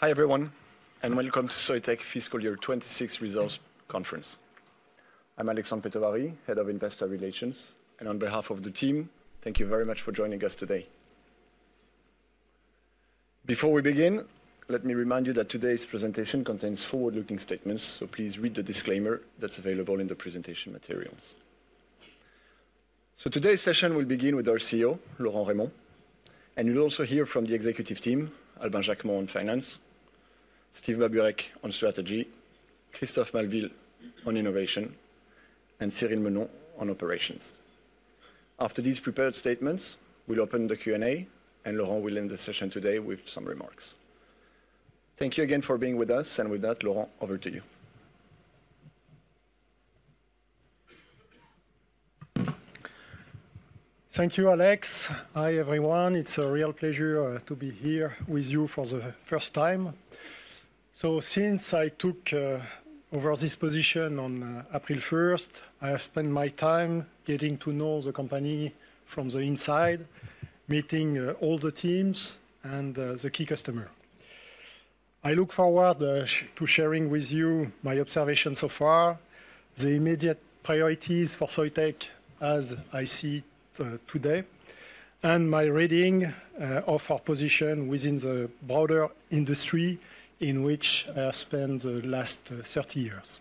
Hi everyone. Welcome to Soitec Fiscal Year 2026 Results Conference. I'm Alexandre Petovari, Head of Investor Relations. On behalf of the team, thank you very much for joining us today. Before we begin, let me remind you that today's presentation contains forward-looking statements. Please read the disclaimer that's available in the presentation materials. Today's session will begin with our CEO, Laurent Rémont. You'll also hear from the executive team, Albin Jacquemont on finance, Steve Babureck on strategy, Christophe Maleville on innovation, and Cyril Menon on operations. After these prepared statements, we'll open the Q&A. Laurent will end the session today with some remarks. Thank you again for being with us. With that, Laurent, over to you. Thank you, Alex. Hi everyone. It's a real pleasure to be here with you for the first time. Since I took over this position on April 1st, I have spent my time getting to know the company from the inside, meeting all the teams and the key customer. I look forward to sharing with you my observations so far, the immediate priorities for Soitec as I see it today, and my reading of our position within the broader industry in which I spent the last 30 years.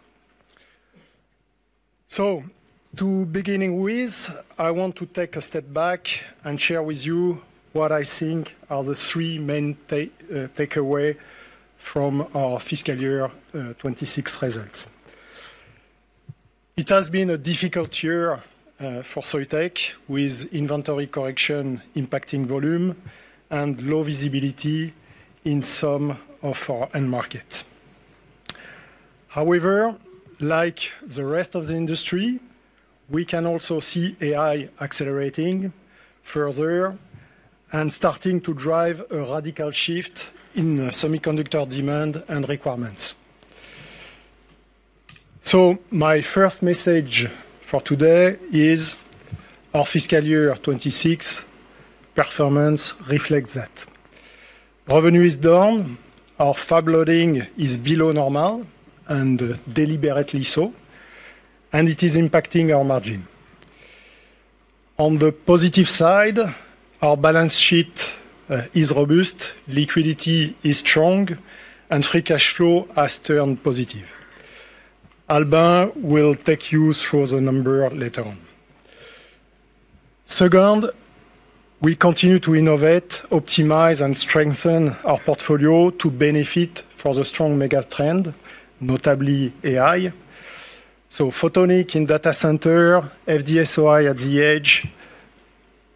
To beginning with, I want to take a step back and share with you what I think are the three main takeaway from our fiscal year 2026 results. It has been a difficult year for Soitec, with inventory correction impacting volume and low visibility in some of our end market. Like the rest of the industry, we can also see AI accelerating further and starting to drive a radical shift in semiconductor demand and requirements. My first message for today is our fiscal year 2026 performance reflects that. Revenue is down, our fab loading is below normal, and deliberately so, and it is impacting our margin. On the positive side, our balance sheet is robust, liquidity is strong, and free cash flow has turned positive. Albin will take you through the number later on. Second, we continue to innovate, optimize, and strengthen our portfolio to benefit from the strong mega trend, notably AI. Photonics-SOI in data center, FD-SOI at the edge,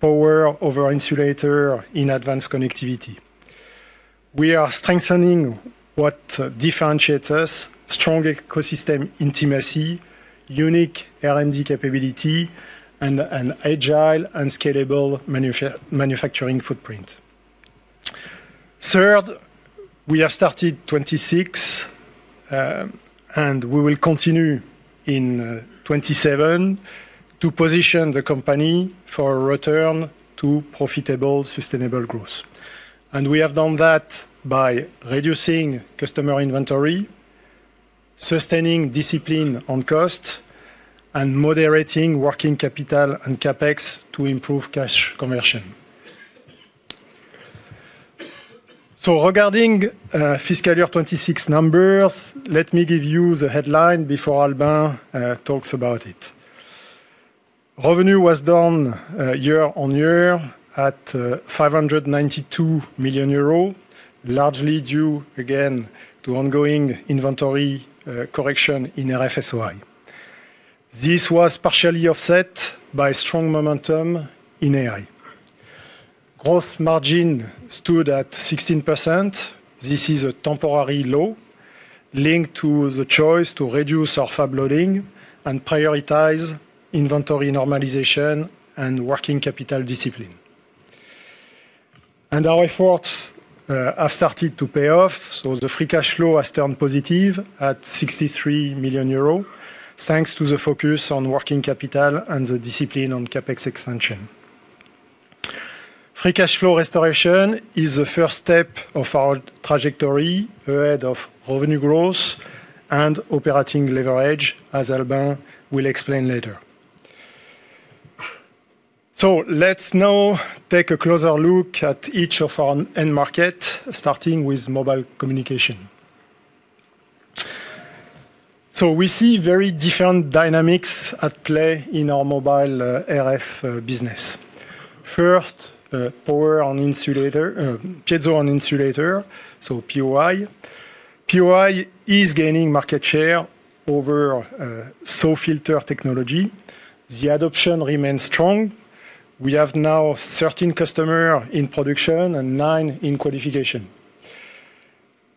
Piezoelectric On Insulator in advanced connectivity. We are strengthening what differentiates us, strong ecosystem intimacy, unique R&D capability, and an agile and scalable manufacturing footprint. Third, we have started 2026, and we will continue in 2027 to position the company for a return to profitable, sustainable growth. We have done that by reducing customer inventory, sustaining discipline on cost, and moderating working capital and CapEx to improve cash conversion. Regarding fiscal year 2026 numbers, let me give you the headline before Albin talks about it. Revenue was down year-over-year at 592 million euro, largely due again to ongoing inventory correction in RF-SOI. This was partially offset by strong momentum in AI. Gross margin stood at 16%. This is a temporary low linked to the choice to reduce our fab loading and prioritize inventory normalization and working capital discipline. Our efforts have started to pay off. The free cash flow has turned positive at 63 million euros, thanks to the focus on working capital and the discipline on CapEx extension. Free cash flow restoration is the first step of our trajectory ahead of revenue growth and operating leverage, as Albin will explain later. Let's now take a closer look at each of our end market, starting with mobile communication. We see very different dynamics at play in our mobile RF business. First, Piezoelectric On Insulator, so POI. POI is gaining market share over SAW filter technology. The adoption remains strong. We have now 13 customer in production and nine in qualification.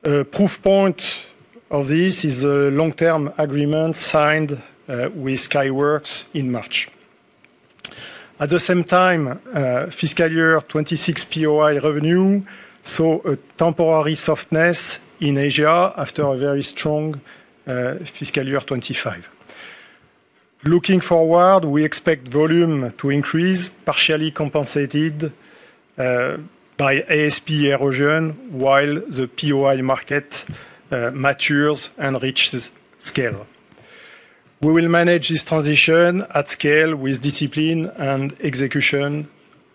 A proof point of this is a long-term agreement signed with Skyworks in March. At the same time, fiscal year 2026 POI revenue saw a temporary softness in Asia after a very strong fiscal year 2025. Looking forward, we expect volume to increase, partially compensated by ASP erosion while the POI market matures and reaches scale. We will manage this transition at scale with discipline and execution,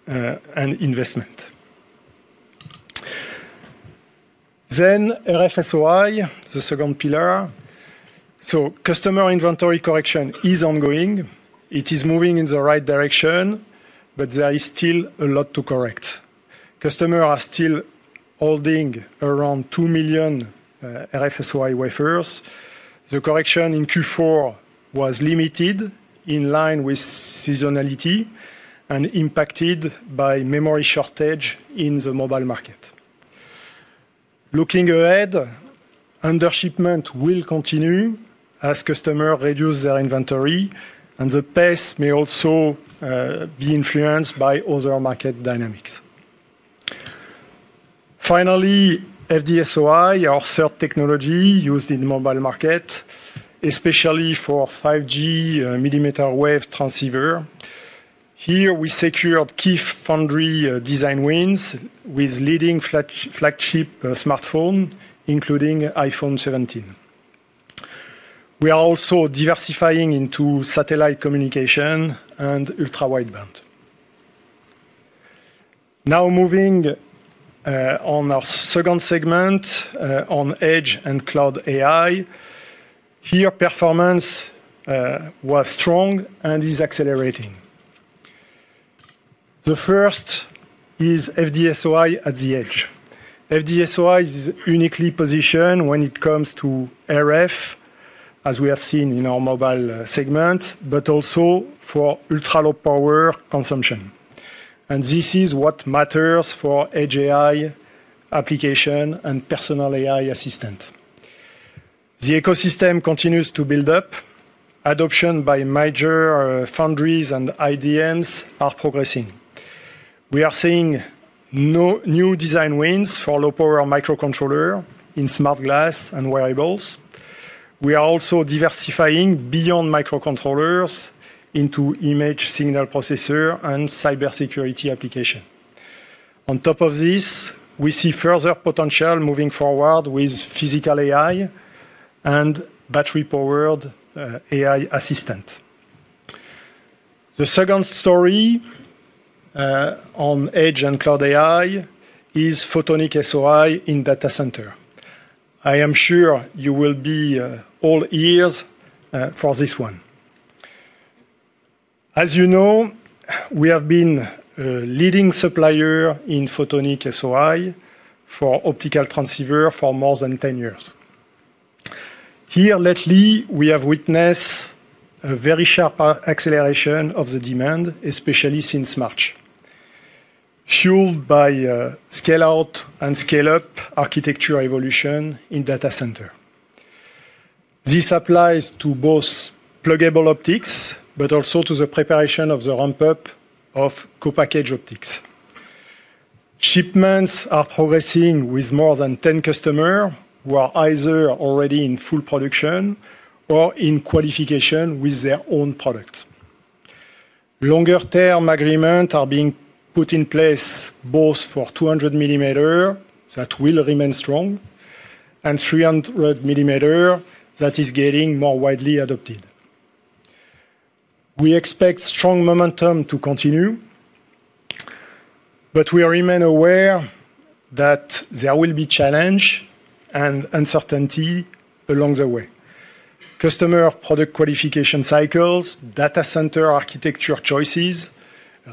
and investment. RF-SOI, the second pillar. Customer inventory correction is ongoing. It is moving in the right direction, but there is still a lot to correct. Customers are still holding around 2 million RF-SOI wafers. The correction in Q4 was limited, in line with seasonality, and impacted by memory shortage in the mobile market. Looking ahead, under-shipment will continue as customers reduce their inventory, and the pace may also be influenced by other market dynamics. Finally, FD-SOI, our third technology used in the mobile market, especially for 5G mm wave transceiver. Here we secured key foundry design wins with leading flagship smartphones, including iPhone 17. We are also diversifying into satellite communication and ultra-wideband. Now moving on our second segment, on Edge & Cloud AI. Here, performance was strong and is accelerating. The first is FD-SOI at the Edge. FD-SOI is uniquely positioned when it comes to RF, as we have seen in our mobile segment, but also for ultra-low power consumption. This is what matters for Edge AI application and personal AI assistant. The ecosystem continues to build up. Adoption by major foundries and IDMs are progressing. We are seeing new design wins for low-power microcontroller in smart glass and wearables. We are also diversifying beyond microcontrollers into image signal processor and cybersecurity application. On top of this, we see further potential moving forward with physical AI and battery-powered AI assistant. The second story on Edge & Cloud AI is Photonics-SOI in data center. I am sure you will be all ears for this one. As you know, we have been a leading supplier in Photonics-SOI for optical transceiver for more than 10 years. Here lately, we have witnessed a very sharp acceleration of the demand, especially since March, fueled by scale-out and scale-up architecture evolution in data center. This applies to both pluggable optics, but also to the preparation of the ramp-up of co-packaged optics. Shipments are progressing with more than 10 customer who are either already in full production or in qualification with their own product. Longer-term agreement are being put in place both for 200 mm, that will remain strong, and 300 mm, that is getting more widely adopted. We expect strong momentum to continue, but we remain aware that there will be challenge and uncertainty along the way. Customer product qualification cycles, data center architecture choices,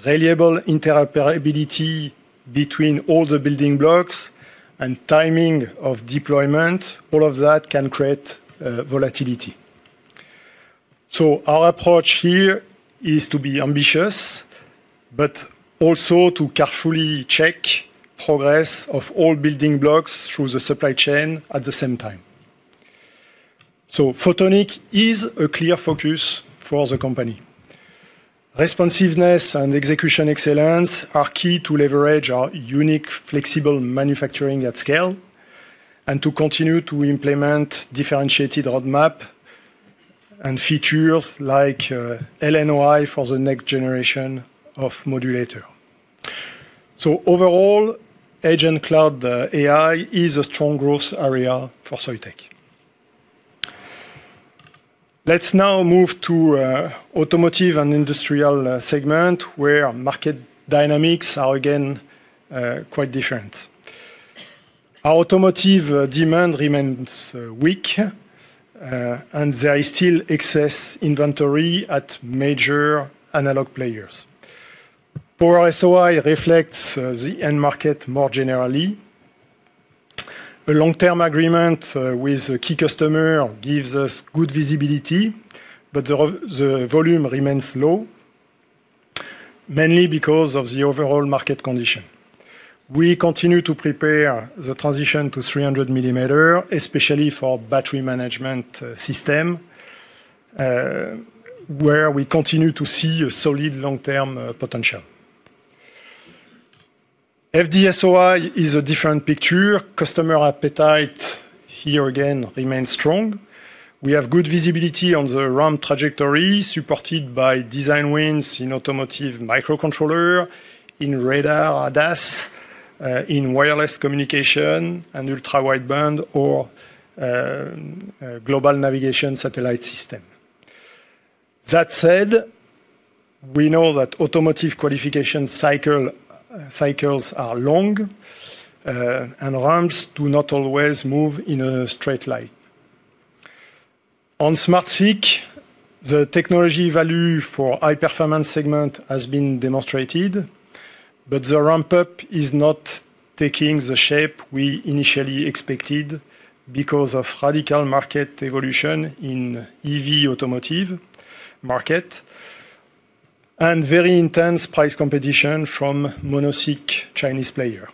reliable interoperability between all the building blocks, and timing of deployment, all of that can create volatility. Our approach here is to be ambitious, but also to carefully check progress of all building blocks through the supply chain at the same time. Photonics is a clear focus for the company. Responsiveness and execution excellence are key to leverage our unique, flexible manufacturing at scale and to continue to implement differentiated roadmap and features like LNOI for the next generation of modulator. Overall, Edge & Cloud AI is a strong growth area for Soitec. Let's now move to automotive and industrial segment, where market dynamics are again quite different. Our automotive demand remains weak, and there is still excess inventory at major analog players. Power-SOI reflects the end market more generally. A long-term agreement with a key customer gives us good visibility, but the volume remains low, mainly because of the overall market condition. We continue to prepare the transition to 300 mm, especially for battery management system, where we continue to see a solid long-term potential. FD-SOI is a different picture. Customer appetite here again remains strong. We have good visibility on the ramp trajectory supported by design wins in automotive microcontroller, in radar ADAS, in wireless communication, and ultra-wideband or global navigation satellite system. That said, we know that automotive qualification cycles are long, and ramps do not always move in a straight line. On SmartSiC, the technology value for high-performance segment has been demonstrated, but the ramp-up is not taking the shape we initially expected because of radical market evolution in EV automotive market and very intense price competition from mono-SiC Chinese player.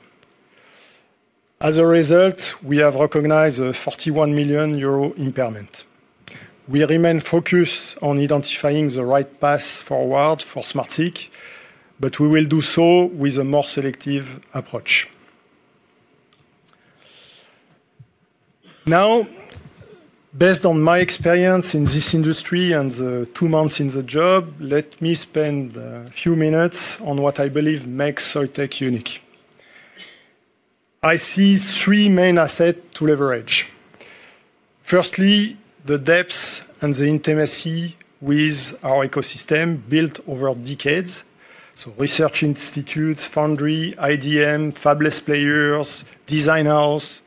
As a result, we have recognized a 41 million euro impairment. We remain focused on identifying the right path forward for SmartSiC. We will do so with a more selective approach. Based on my experience in this industry and the two months in the job, let me spend a few minutes on what I believe makes Soitec unique. I see three main assets to leverage. Firstly, the depth and the intimacy with our ecosystem built over decades. Research institute, foundry, IDM, fabless players, design house,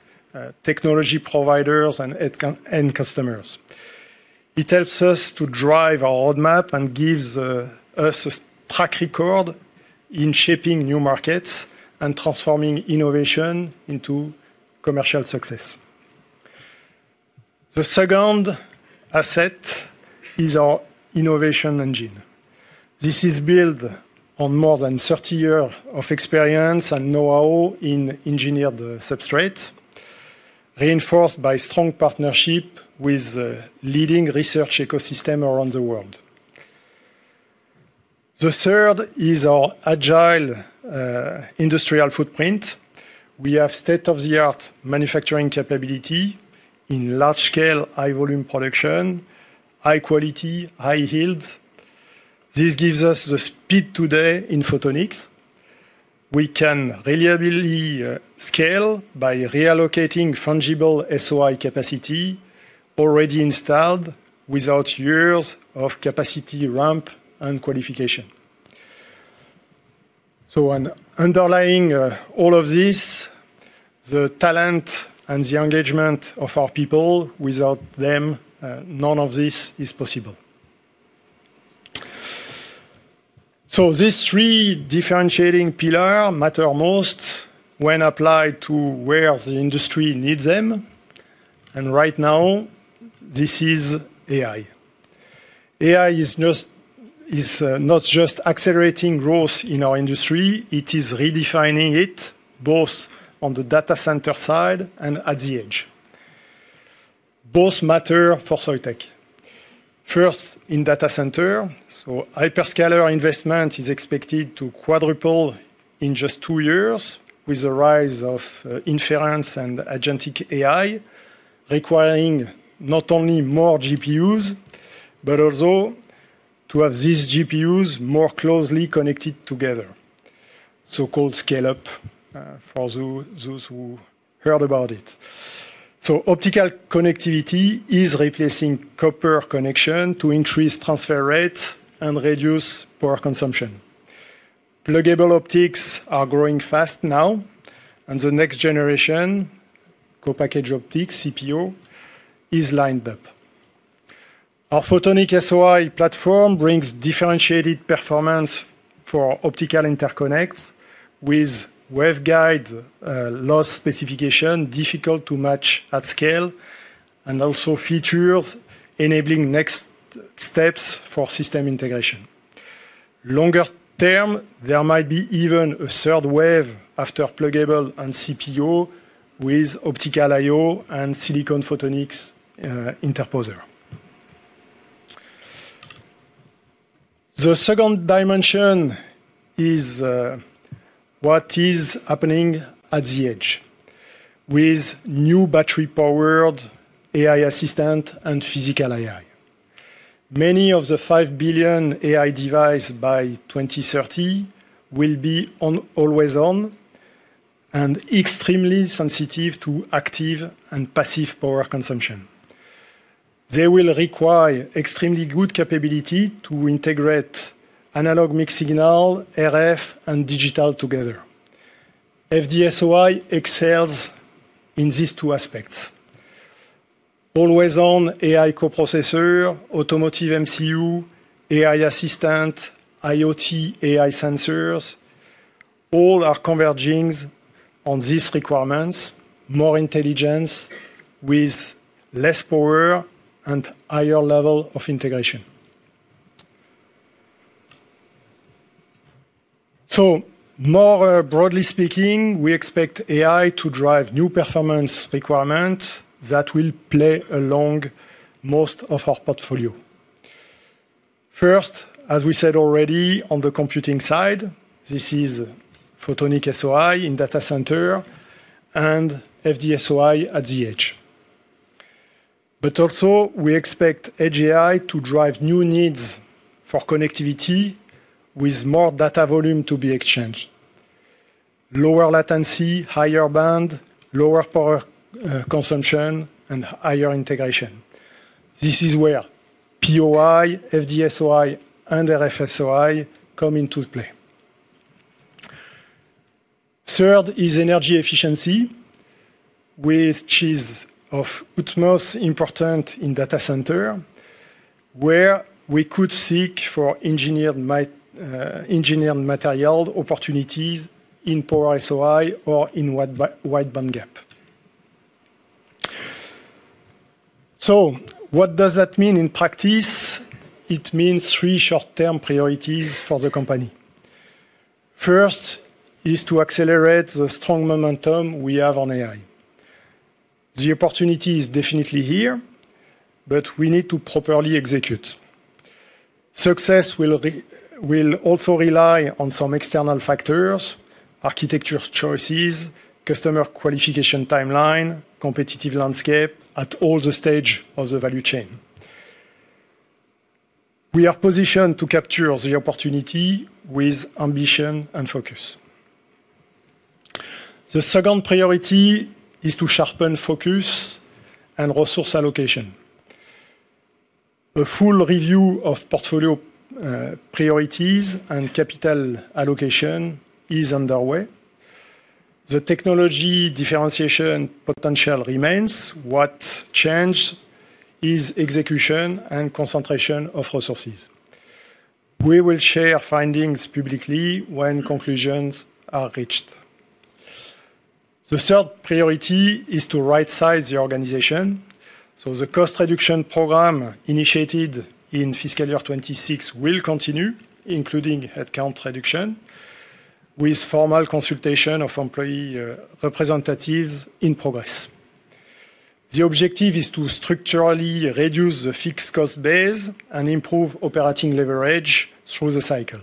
technology providers, and end customers. It helps us to drive our roadmap and gives us a track record in shaping new markets and transforming innovation into commercial success. The second asset is our innovation engine. This is built on more than 30 year of experience and know-how in engineered substrate, reinforced by strong partnership with leading research ecosystem around the world. The third is our agile industrial footprint. We have state-of-the-art manufacturing capability in large-scale, high-volume production, high quality, high yield. This gives us the speed today in photonics. We can reliably scale by reallocating fungible SOI capacity already installed without years of capacity ramp and qualification. Underlying all of this, the talent and the engagement of our people. Without them, none of this is possible. These three differentiating pillar matter most when applied to where the industry needs them, and right now, this is AI. AI is not just accelerating growth in our industry, it is redefining it both on the data center side and at the edge. Both matter for Soitec. First, in data center. Hyperscaler investment is expected to quadruple in just two years with the rise of inference and agentic AI, requiring not only more GPUs, but also to have these GPUs more closely connected together. Called scale-up, for those who heard about it. Optical connectivity is replacing copper connection to increase transfer rate and reduce power consumption. Pluggable optics are growing fast now, and the next generation, co-packaged optics, CPO, is lined up. Our Photonics-SOI platform brings differentiated performance for optical interconnects with waveguide loss specification, difficult to match at scale, and also features enabling next steps for system integration. Longer term, there might be even a third wave after pluggable and CPO with optical I/O and silicon photonics interposer. The second dimension is what is happening at the edge with new battery-powered AI assistant and physical AI. Many of the 5 billion AI device by 2030 will be always on and extremely sensitive to active and passive power consumption. They will require extremely good capability to integrate analog mixed signal, RF, and digital together. FD-SOI excels in these two aspects. Always-on AI coprocessor, automotive MCU, AI assistant, IoT, AI sensors all are converging on these requirements, more intelligence with less power and higher level of integration. More broadly speaking, we expect AI to drive new performance requirement that will play along most of our portfolio. First, as we said already on the computing side, this is Photonics-SOI in data center and FD-SOI at the edge. Also we expect Edge AI to drive new needs for connectivity with more data volume to be exchanged, lower latency, higher band, lower power consumption, and higher integration. This is where POI, FD-SOI, and RF-SOI come into play. Third is energy efficiency, which is of utmost importance in data center, where we could seek for engineered material opportunities in Power-SOI or in wide bandgap. What does that mean in practice? It means three short-term priorities for the company. First is to accelerate the strong momentum we have on AI. The opportunity is definitely here, but we need to properly execute. Success will also rely on some external factors, architecture choices, customer qualification timeline, competitive landscape at all the stage of the value chain. We are positioned to capture the opportunity with ambition and focus. The second priority is to sharpen focus and resource allocation. A full review of portfolio priorities and capital allocation is underway. The technology differentiation potential remains. What changed is execution and concentration of resources. We will share findings publicly when conclusions are reached. The third priority is to right-size the organization. The cost reduction program initiated in fiscal year 2026 will continue, including headcount reduction, with formal consultation of employee representatives in progress. The objective is to structurally reduce the fixed cost base and improve operating leverage through the cycle.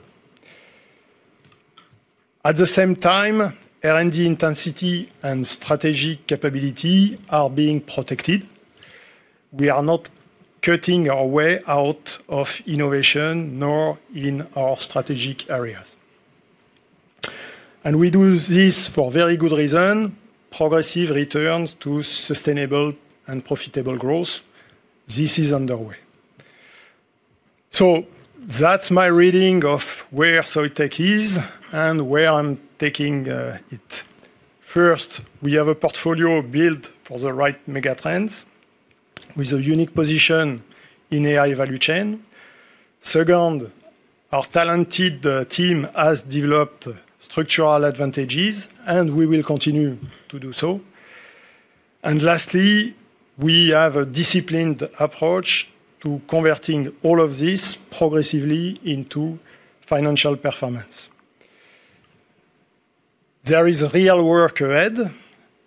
At the same time, R&D intensity and strategy capability are being protected. We are not cutting our way out of innovation, nor in our strategic areas. We do this for very good reason: progressive returns to sustainable and profitable growth. This is underway. That's my reading of where Soitec is and where I'm taking it. First, we have a portfolio built for the right mega trends with a unique position in AI value chain. Second, our talented team has developed structural advantages, and we will continue to do so. Lastly, we have a disciplined approach to converting all of this progressively into financial performance. There is real work ahead,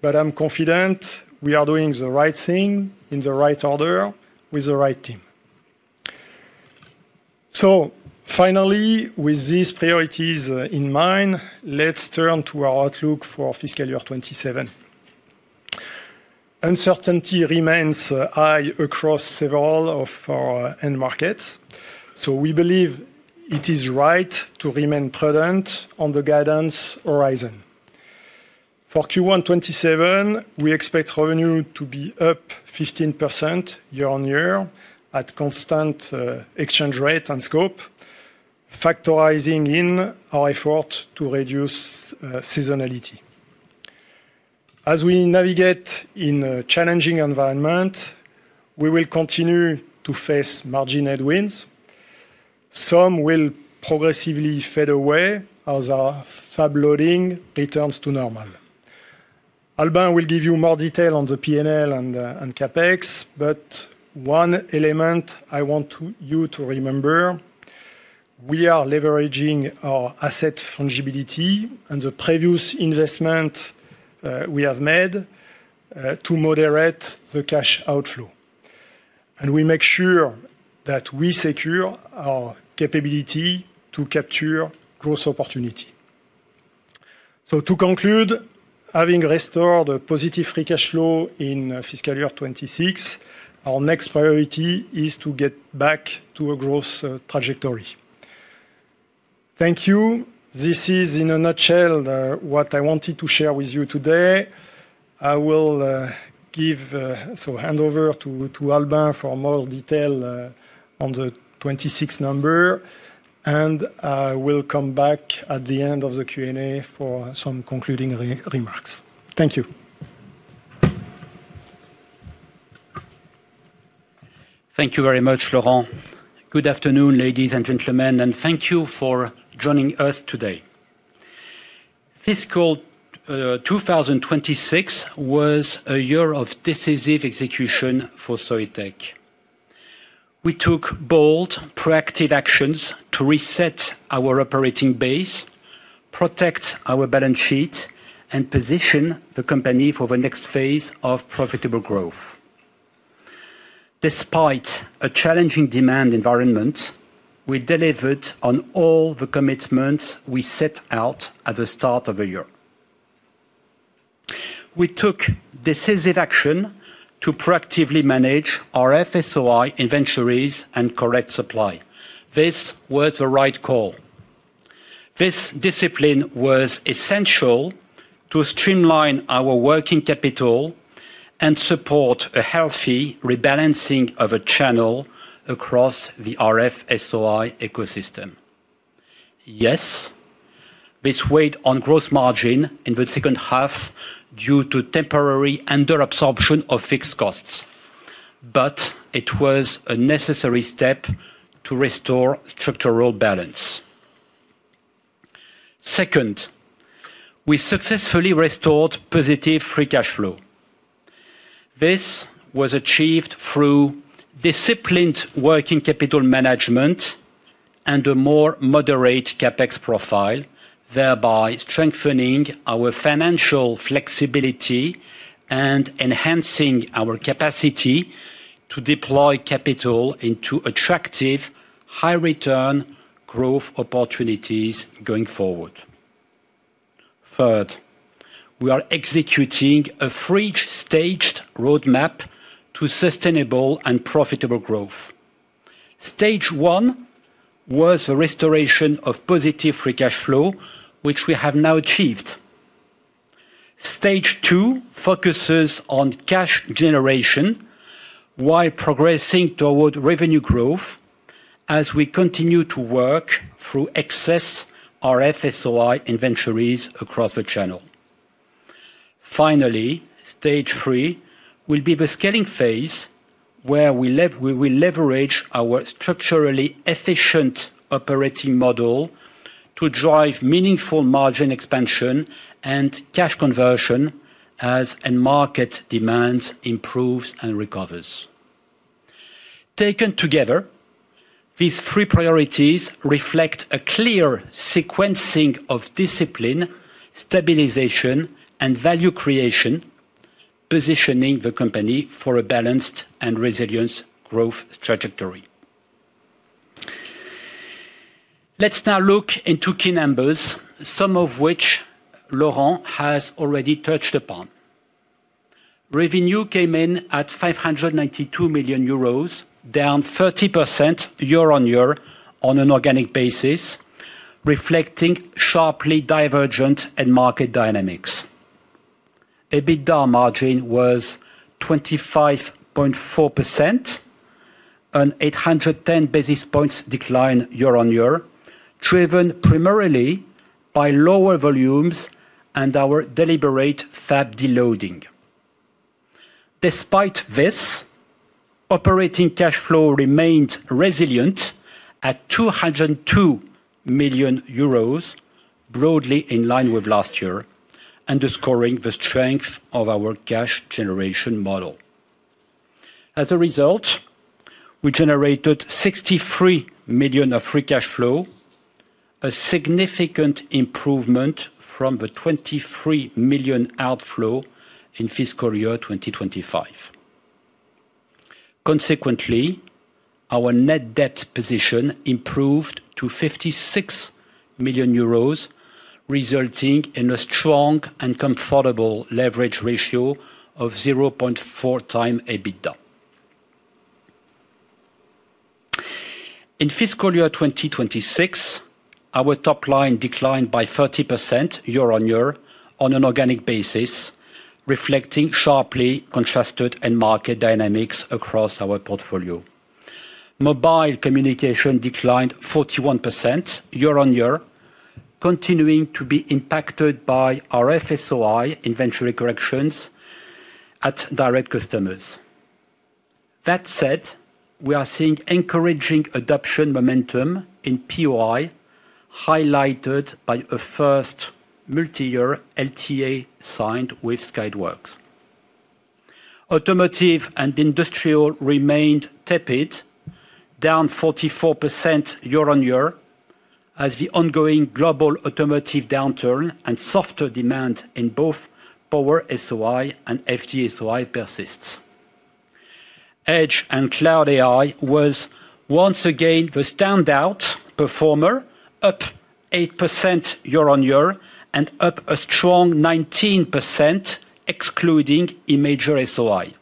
but I'm confident we are doing the right thing in the right order with the right team. Finally, with these priorities in mind, let's turn to our outlook for fiscal year 2027. Uncertainty remains high across several of our end markets. We believe it is right to remain prudent on the guidance horizon. For Q1 2027, we expect revenue to be up 15% year-on-year at constant exchange rate and scope, factorizing in our effort to reduce seasonality. As we navigate in a challenging environment, we will continue to face margin headwinds. Some will progressively fade away as our fab loading returns to normal. Albin will give you more detail on the P&L and CapEx, one element I want you to remember, we are leveraging our asset fungibility and the previous investment we have made to moderate the cash outflow, we make sure that we secure our capability to capture growth opportunity. To conclude, having restored a positive free cash flow in fiscal year 2026, our next priority is to get back to a growth trajectory. Thank you. This is in a nutshell what I wanted to share with you today. I will hand over to Albin for more detail on the 2026 number, and I will come back at the end of the Q&A for some concluding remarks. Thank you. Thank you very much, Laurent. Good afternoon, ladies and gentlemen, and thank you for joining us today. Fiscal 2026 was a year of decisive execution for Soitec. We took bold, proactive actions to reset our operating base protect our balance sheet and position the company for the next phase of profitable growth. Despite a challenging demand environment, we delivered on all the commitments we set out at the start of the year. We took decisive action to proactively manage our RF-SOI inventories and correct supply. This was the right call. This discipline was essential to streamline our working capital and support a healthy rebalancing of a channel across the RF-SOI ecosystem. Yes, this weighed on growth margin in the second half due to temporary under absorption of fixed costs. It was a necessary step to restore structural balance. Second, we successfully restored positive free cash flow. This was achieved through disciplined working capital management and a more moderate CapEx profile, thereby strengthening our financial flexibility and enhancing our capacity to deploy capital into attractive high return growth opportunities going forward. Third, we are executing a three-staged roadmap to sustainable and profitable growth. Stage one was the restoration of positive free cash flow, which we have now achieved. Stage two focuses on cash generation while progressing toward revenue growth as we continue to work through excess RF-SOI inventories across the channel. Finally, stage three will be the scaling phase, where we will leverage our structurally efficient operating model to drive meaningful margin expansion and cash conversion as end market demands improves and recovers. Taken together, these three priorities reflect a clear sequencing of discipline, stabilization, and value creation, positioning the company for a balanced and resilient growth trajectory. Let's now look into key numbers, some of which Laurent has already touched upon. Revenue came in at 592 million euros, down 30% year-on-year on an organic basis, reflecting sharply divergent end market dynamics. EBITDA margin was 25.4%, an 810 basis points decline year-on-year, driven primarily by lower volumes and our deliberate fab de-loading. Despite this, operating cash flow remained resilient at 202 million euros, broadly in line with last year, underscoring the strength of our cash generation model. As a result, we generated 63 million of free cash flow, a significant improvement from the 23 million outflow in fiscal year 2025. Consequently, our net debt position improved to 56 million euros, resulting in a strong and comfortable leverage ratio of 0.4x EBITDA. In fiscal year 2026, our top line declined by 30% year-on-year on an organic basis, reflecting sharply contrasted end market dynamics across our portfolio. Mobile communication declined 41% year-on-year, continuing to be impacted by RF-SOI inventory corrections at direct customers. That said, we are seeing encouraging adoption momentum in POI, highlighted by a first multi-year LTA signed with Skyworks. Automotive and industrial remained tepid, down 44% year-on-year, as the ongoing global automotive downturn and softer demand in both Power-SOI and FD-SOI persists. Edge & Cloud AI was once again the standout performer, up 8% year-on-year and up a strong 19% excluding Imager-SOI.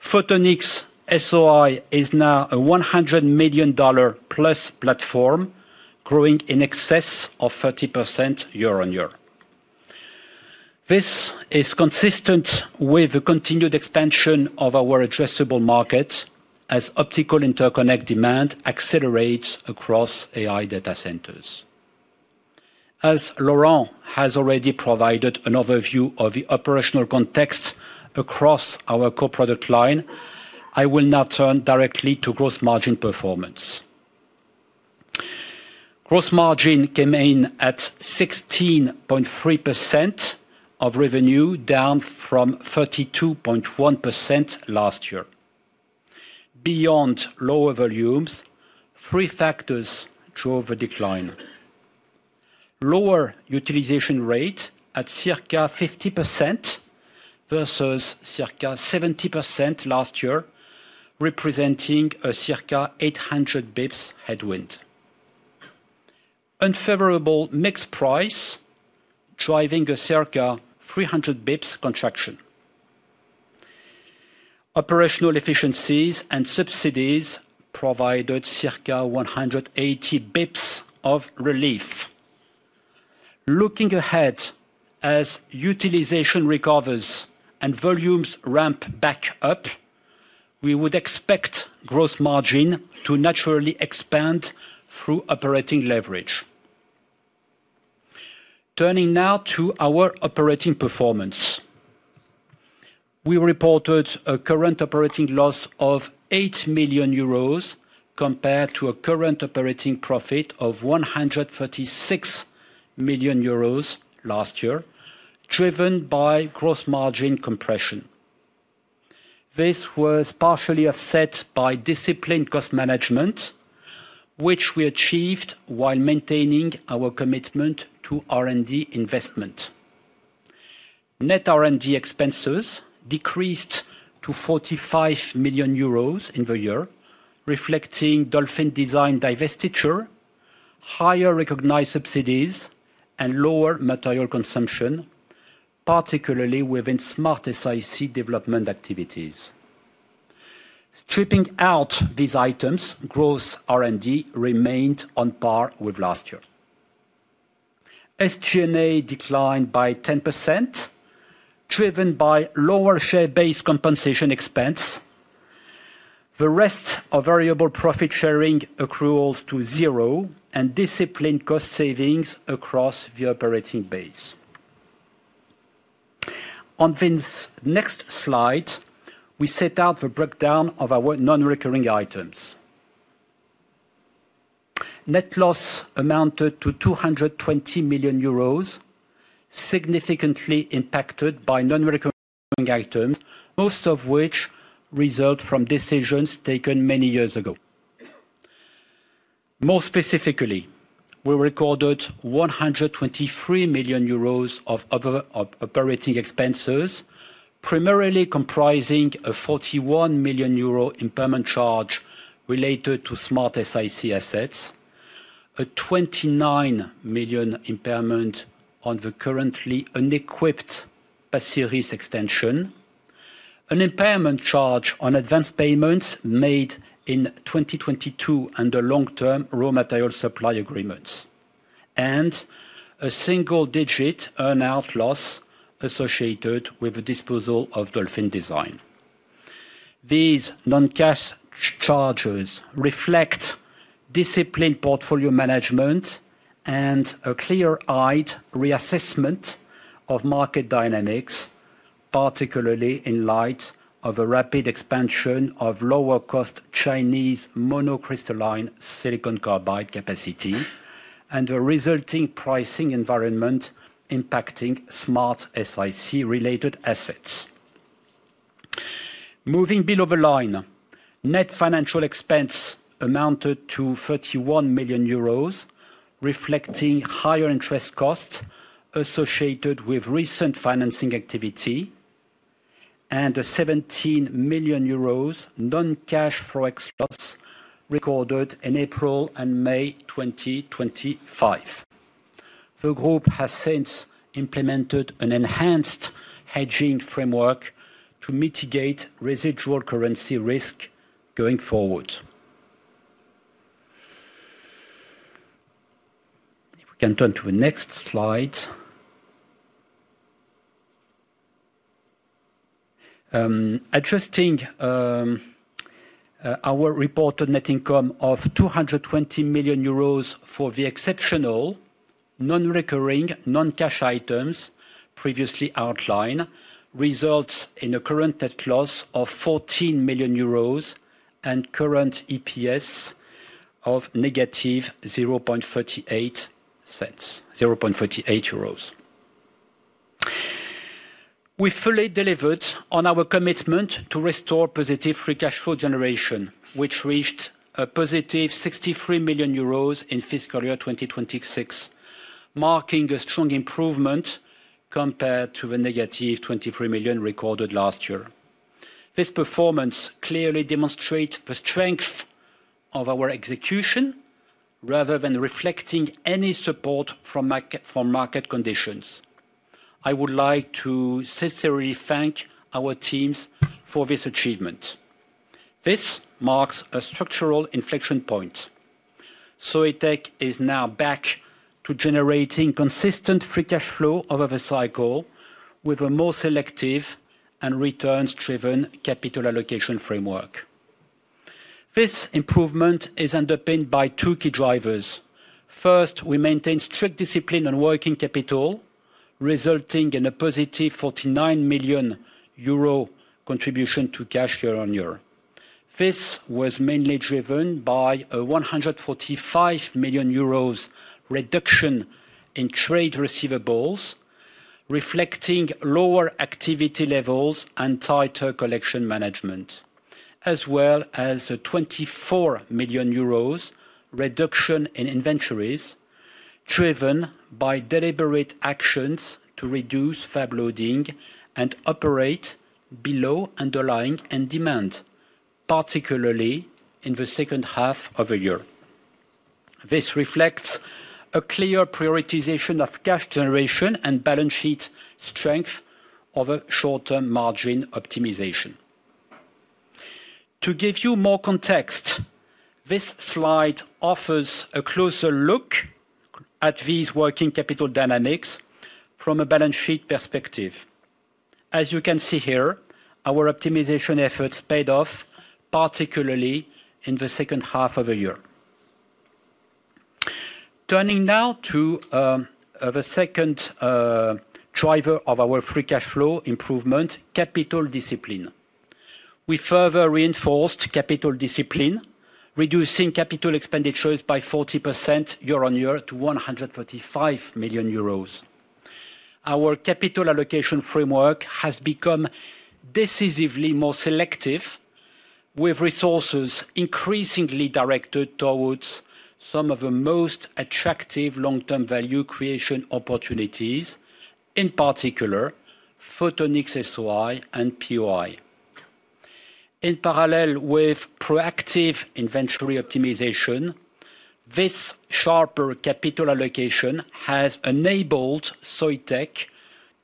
Photonics-SOI is now a EUR 100 million+ platform, growing in excess of 30% year-on-year. This is consistent with the continued expansion of our addressable market as optical interconnect demand accelerates across AI data centers. As Laurent has already provided an overview of the operational context across our core product line, I will now turn directly to gross margin performance. Gross margin came in at 16.3% of revenue, down from 32.1% last year. Beyond lower volumes, three factors drove a decline. Lower utilization rate at circa 50% versus circa 70% last year, representing a circa 800 basis points headwinds. Unfavorable mix price driving a circa 300 basis points contraction. Operational efficiencies and subsidies provided circa 180 basis points of relief. Looking ahead, as utilization recovers and volumes ramp back up, we would expect gross margin to naturally expand through operating leverage. Turning now to our operating performance. We reported a current operating loss of 8 million euros compared to a current operating profit of 136 million euros last year, driven by gross margin compression. This was partially offset by disciplined cost management, which we achieved while maintaining our commitment to R&D investment. Net R&D expenses decreased to 45 million euros in the year, reflecting Dolphin Design divestiture, higher recognized subsidies, and lower material consumption, particularly within SmartSiC development activities. Stripping out these items, gross R&D remained on par with last year. SG&A declined by 10%, driven by lower share-based compensation expense. The rest are variable profit-sharing accruals to zero and disciplined cost savings across the operating base. On this next slide, we set out the breakdown of our non-recurring items. Net loss amounted to 220 million euros, significantly impacted by non-recurring items, most of which result from decisions taken many years ago. More specifically, we recorded 123 million euros of other operating expenses, primarily comprising a 41 million euro impairment charge related to SmartSiC assets, a 29 million impairment on the currently unequipped Pasir Ris extension, an impairment charge on advanced payments made in 2022 under long-term raw material supply agreements, and a single-digit earn-out loss associated with the disposal of Dolphin Design. These non-cash charges reflect disciplined portfolio management and a clear-eyed reassessment of market dynamics, particularly in light of a rapid expansion of lower-cost Chinese monocrystalline silicon carbide capacity and the resulting pricing environment impacting SmartSiC related assets. Moving below the line, net financial expense amounted to 31 million euros, reflecting higher interest costs associated with recent financing activity and a 17 million euros non-cash forex loss recorded in April and May 2025. The Group has since implemented an enhanced hedging framework to mitigate residual currency risk going forward. If we can turn to the next slide. Adjusting our reported net income of 220 million euros for the exceptional non-recurring non-cash items previously outlined results in a current net loss of 14 million euros and current EPS of -0.38. We fully delivered on our commitment to restore positive free cash flow generation, which reached a +63 million euros in fiscal year 2026, marking a strong improvement compared to the -23 million recorded last year. This performance clearly demonstrates the strength of our execution rather than reflecting any support from market conditions. I would like to sincerely thank our teams for this achievement. This marks a structural inflection point. Soitec is now back to generating consistent free cash flow over the cycle with a more selective and returns-driven capital allocation framework. This improvement is underpinned by two key drivers. First, we maintain strict discipline on working capital, resulting in a +49 million euro contribution to cash year-over-year. This was mainly driven by a 145 million euros reduction in trade receivables, reflecting lower activity levels and tighter collection management. As well as a 24 million euros reduction in inventories, driven by deliberate actions to reduce fab loading and operate below underlying end demand, particularly in the second half of the year. This reflects a clear prioritization of cash generation and balance sheet strength over short-term margin optimization. To give you more context, this slide offers a closer look at these working capital dynamics from a balance sheet perspective. As you can see here, our optimization efforts paid off, particularly in the second half of the year. Turning now to the second driver of our free cash flow improvement, capital discipline. We further reinforced capital discipline, reducing CapEx by 40% year-on-year to 135 million euros. Our capital allocation framework has become decisively more selective, with resources increasingly directed towards some of the most attractive long-term value creation opportunities, in particular Photonics-SOI and POI. In parallel with proactive inventory optimization, this sharper capital allocation has enabled Soitec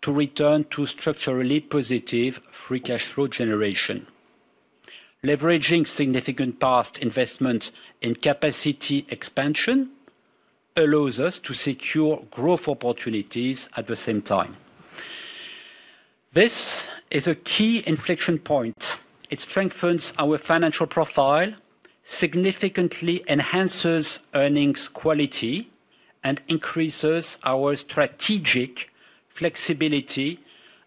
to return to structurally positive free cash flow generation. Leveraging significant past investment in capacity expansion allows us to secure growth opportunities at the same time. This is a key inflection point. It strengthens our financial profile, significantly enhances earnings quality, and increases our strategic flexibility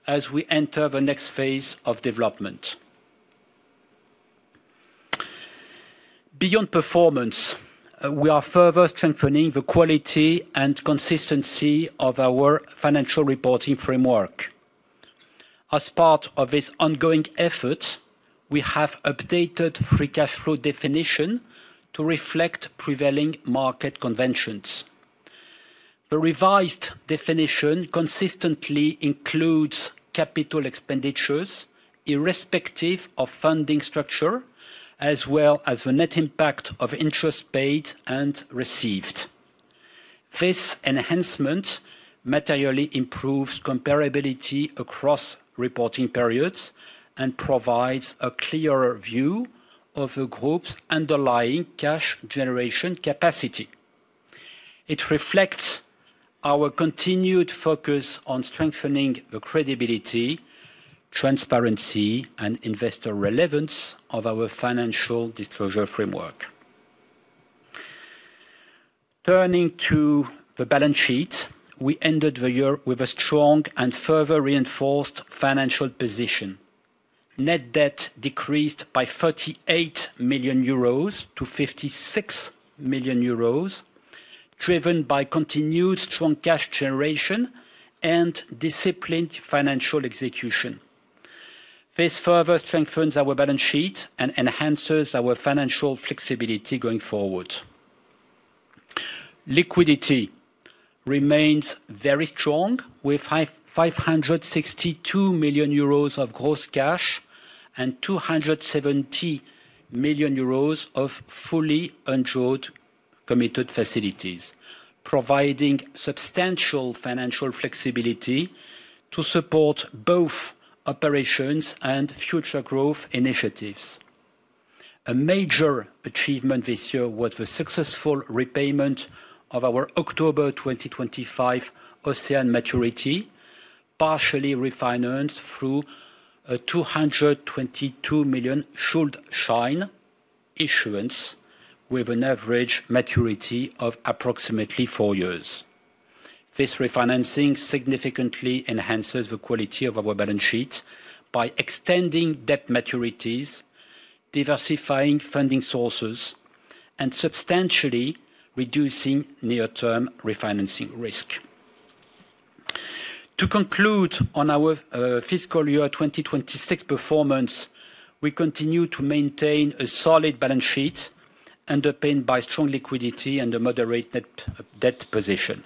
as we enter the next phase of development. Beyond performance, we are further strengthening the quality and consistency of our financial reporting framework. As part of this ongoing effort, we have updated free cash flow definition to reflect prevailing market conventions. The revised definition consistently includes capital expenditure, irrespective of funding structure, as well as the net impact of interest paid and received. This enhancement materially improves comparability across reporting periods and provides a clearer view of a group's underlying cash generation capacity. It reflects our continued focus on strengthening the credibility, transparency, and investor relevance of our financial disclosure framework. Turning to the balance sheet, we ended the year with a strong and further reinforced financial position. Net debt decreased by 38 million-56 million euros, driven by continued strong cash generation and disciplined financial execution. This further strengthens our balance sheet and enhances our financial flexibility going forward. Liquidity remains very strong, with 562 million euros of gross cash and 270 million euros of fully undrawn committed facilities, providing substantial financial flexibility to support both operations and future growth initiatives. A major achievement this year was the successful repayment of our October 2025 OCEANE maturity, partially refinanced through a 222 million Schuldschein issuance with an average maturity of approximately four years. This refinancing significantly enhances the quality of our balance sheet by extending debt maturities, diversifying funding sources, and substantially reducing near-term refinancing risk. To conclude on our fiscal year 2026 performance, we continue to maintain a solid balance sheet underpinned by strong liquidity and a moderate net debt position.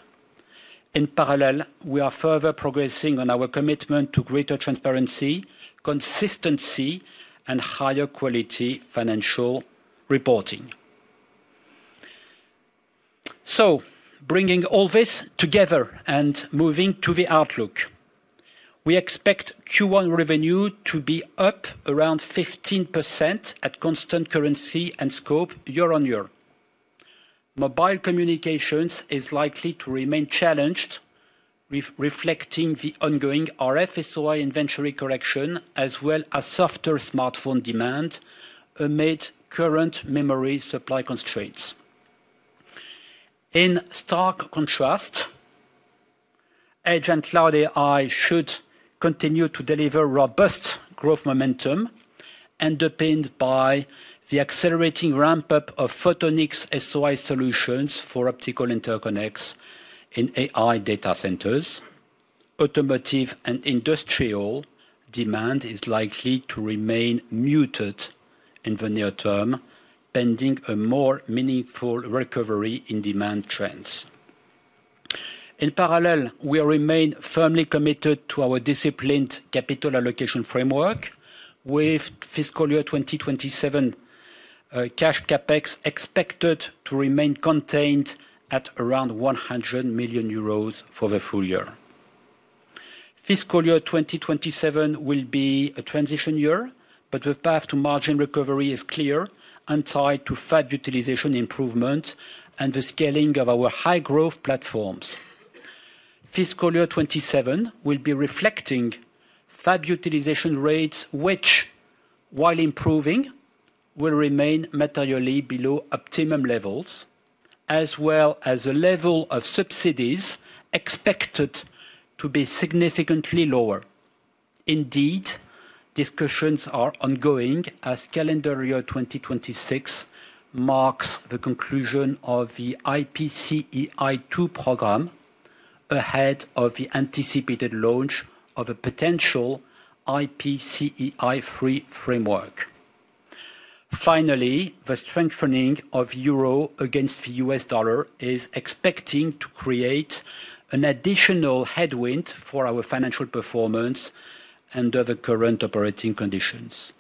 Bringing all this together and moving to the outlook. We expect Q1 revenue to be up around 15% at constant currency and scope year-on-year. Mobile communications is likely to remain challenged, reflecting the ongoing RF-SOI inventory correction, as well as softer smartphone demand amid current memory supply constraints. In stark contrast, Edge & Cloud AI should continue to deliver robust growth momentum underpinned by the accelerating ramp-up of Photonics-SOI solutions for optical interconnects in AI data centers. Automotive and industrial demand is likely to remain muted in the near term, pending a more meaningful recovery in demand trends. In parallel, we remain firmly committed to our disciplined capital allocation framework with fiscal year 2027 cash CapEx expected to remain contained at around 100 million euros for the full year. Fiscal year 2027 will be a transition year, but the path to margin recovery is clear and tied to fab utilization improvement and the scaling of our high-growth platforms. Fiscal year 2027 will be reflecting fab utilization rates, which, while improving, will remain materially below optimum levels, as well as a level of subsidies expected to be significantly lower. Indeed, discussions are ongoing as calendar year 2026 marks the conclusion of the IPCEI II program ahead of the anticipated launch of a potential IPCEI III framework. The strengthening of euro against the U.S. dollar is expecting to create an additional headwind for our financial performance under the current operating conditions.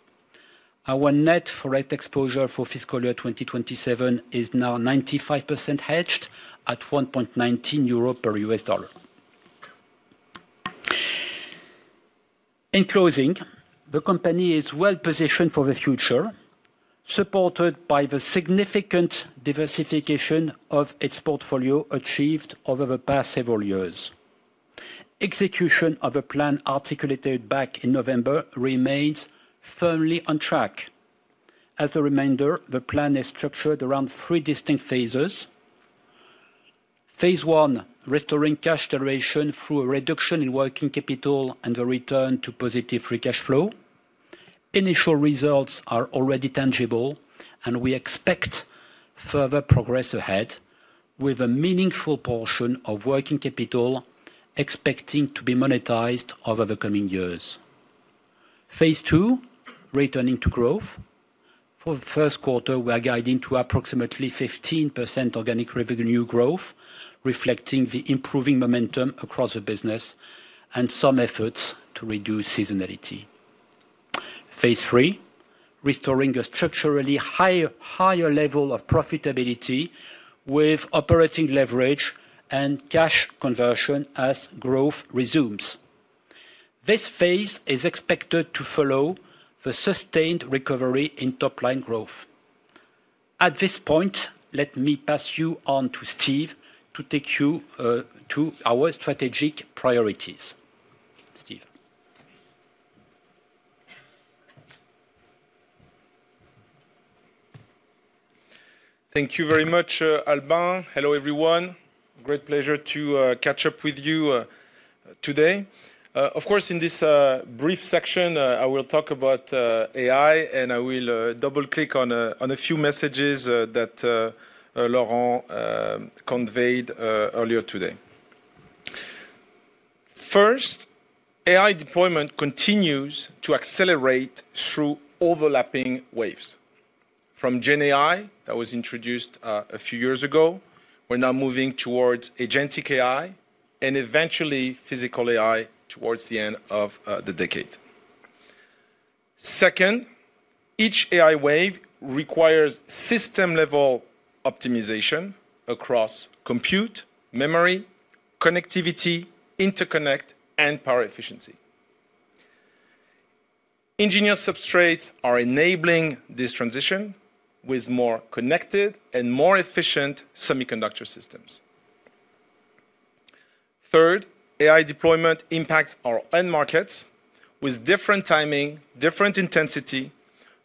Our net foreign exposure for fiscal year 2027 is now 95% hedged at 1.19 euro per U.S. dollar. In closing, the company is well-positioned for the future, supported by the significant diversification of its portfolio achieved over the past several years. Execution of the plan articulated back in November remains firmly on track. As a reminder, the plan is structured around three distinct phases. Phase I, restoring cash generation through a reduction in working capital and the return to positive free cash flow. Initial results are already tangible, and we expect further progress ahead with a meaningful portion of working capital expecting to be monetized over the coming years. Phase II, returning to growth. For the first quarter, we are guiding to approximately 15% organic revenue growth, reflecting the improving momentum across the business and some efforts to reduce seasonality. Phase III, restoring a structurally higher level of profitability with operating leverage and cash conversion as growth resumes. This phase is expected to follow the sustained recovery in top-line growth. At this point, let me pass you on to Steve to take you to our strategic priorities. Steve? Thank you very much, Albin. Hello, everyone. Great pleasure to catch up with you today. Of course, in this brief section, I will talk about AI, and I will double-click on a few messages that Laurent conveyed earlier today. First, AI deployment continues to accelerate through overlapping waves. From GenAI, that was introduced a few years ago, we're now moving towards agentic AI, and eventually physical AI towards the end of the decade. Second, each AI wave requires system-level optimization across compute, memory, connectivity, interconnect, and power efficiency. Engineer substrates are enabling this transition with more connected and more efficient semiconductor systems. Third, AI deployment impacts our end markets with different timing, different intensity,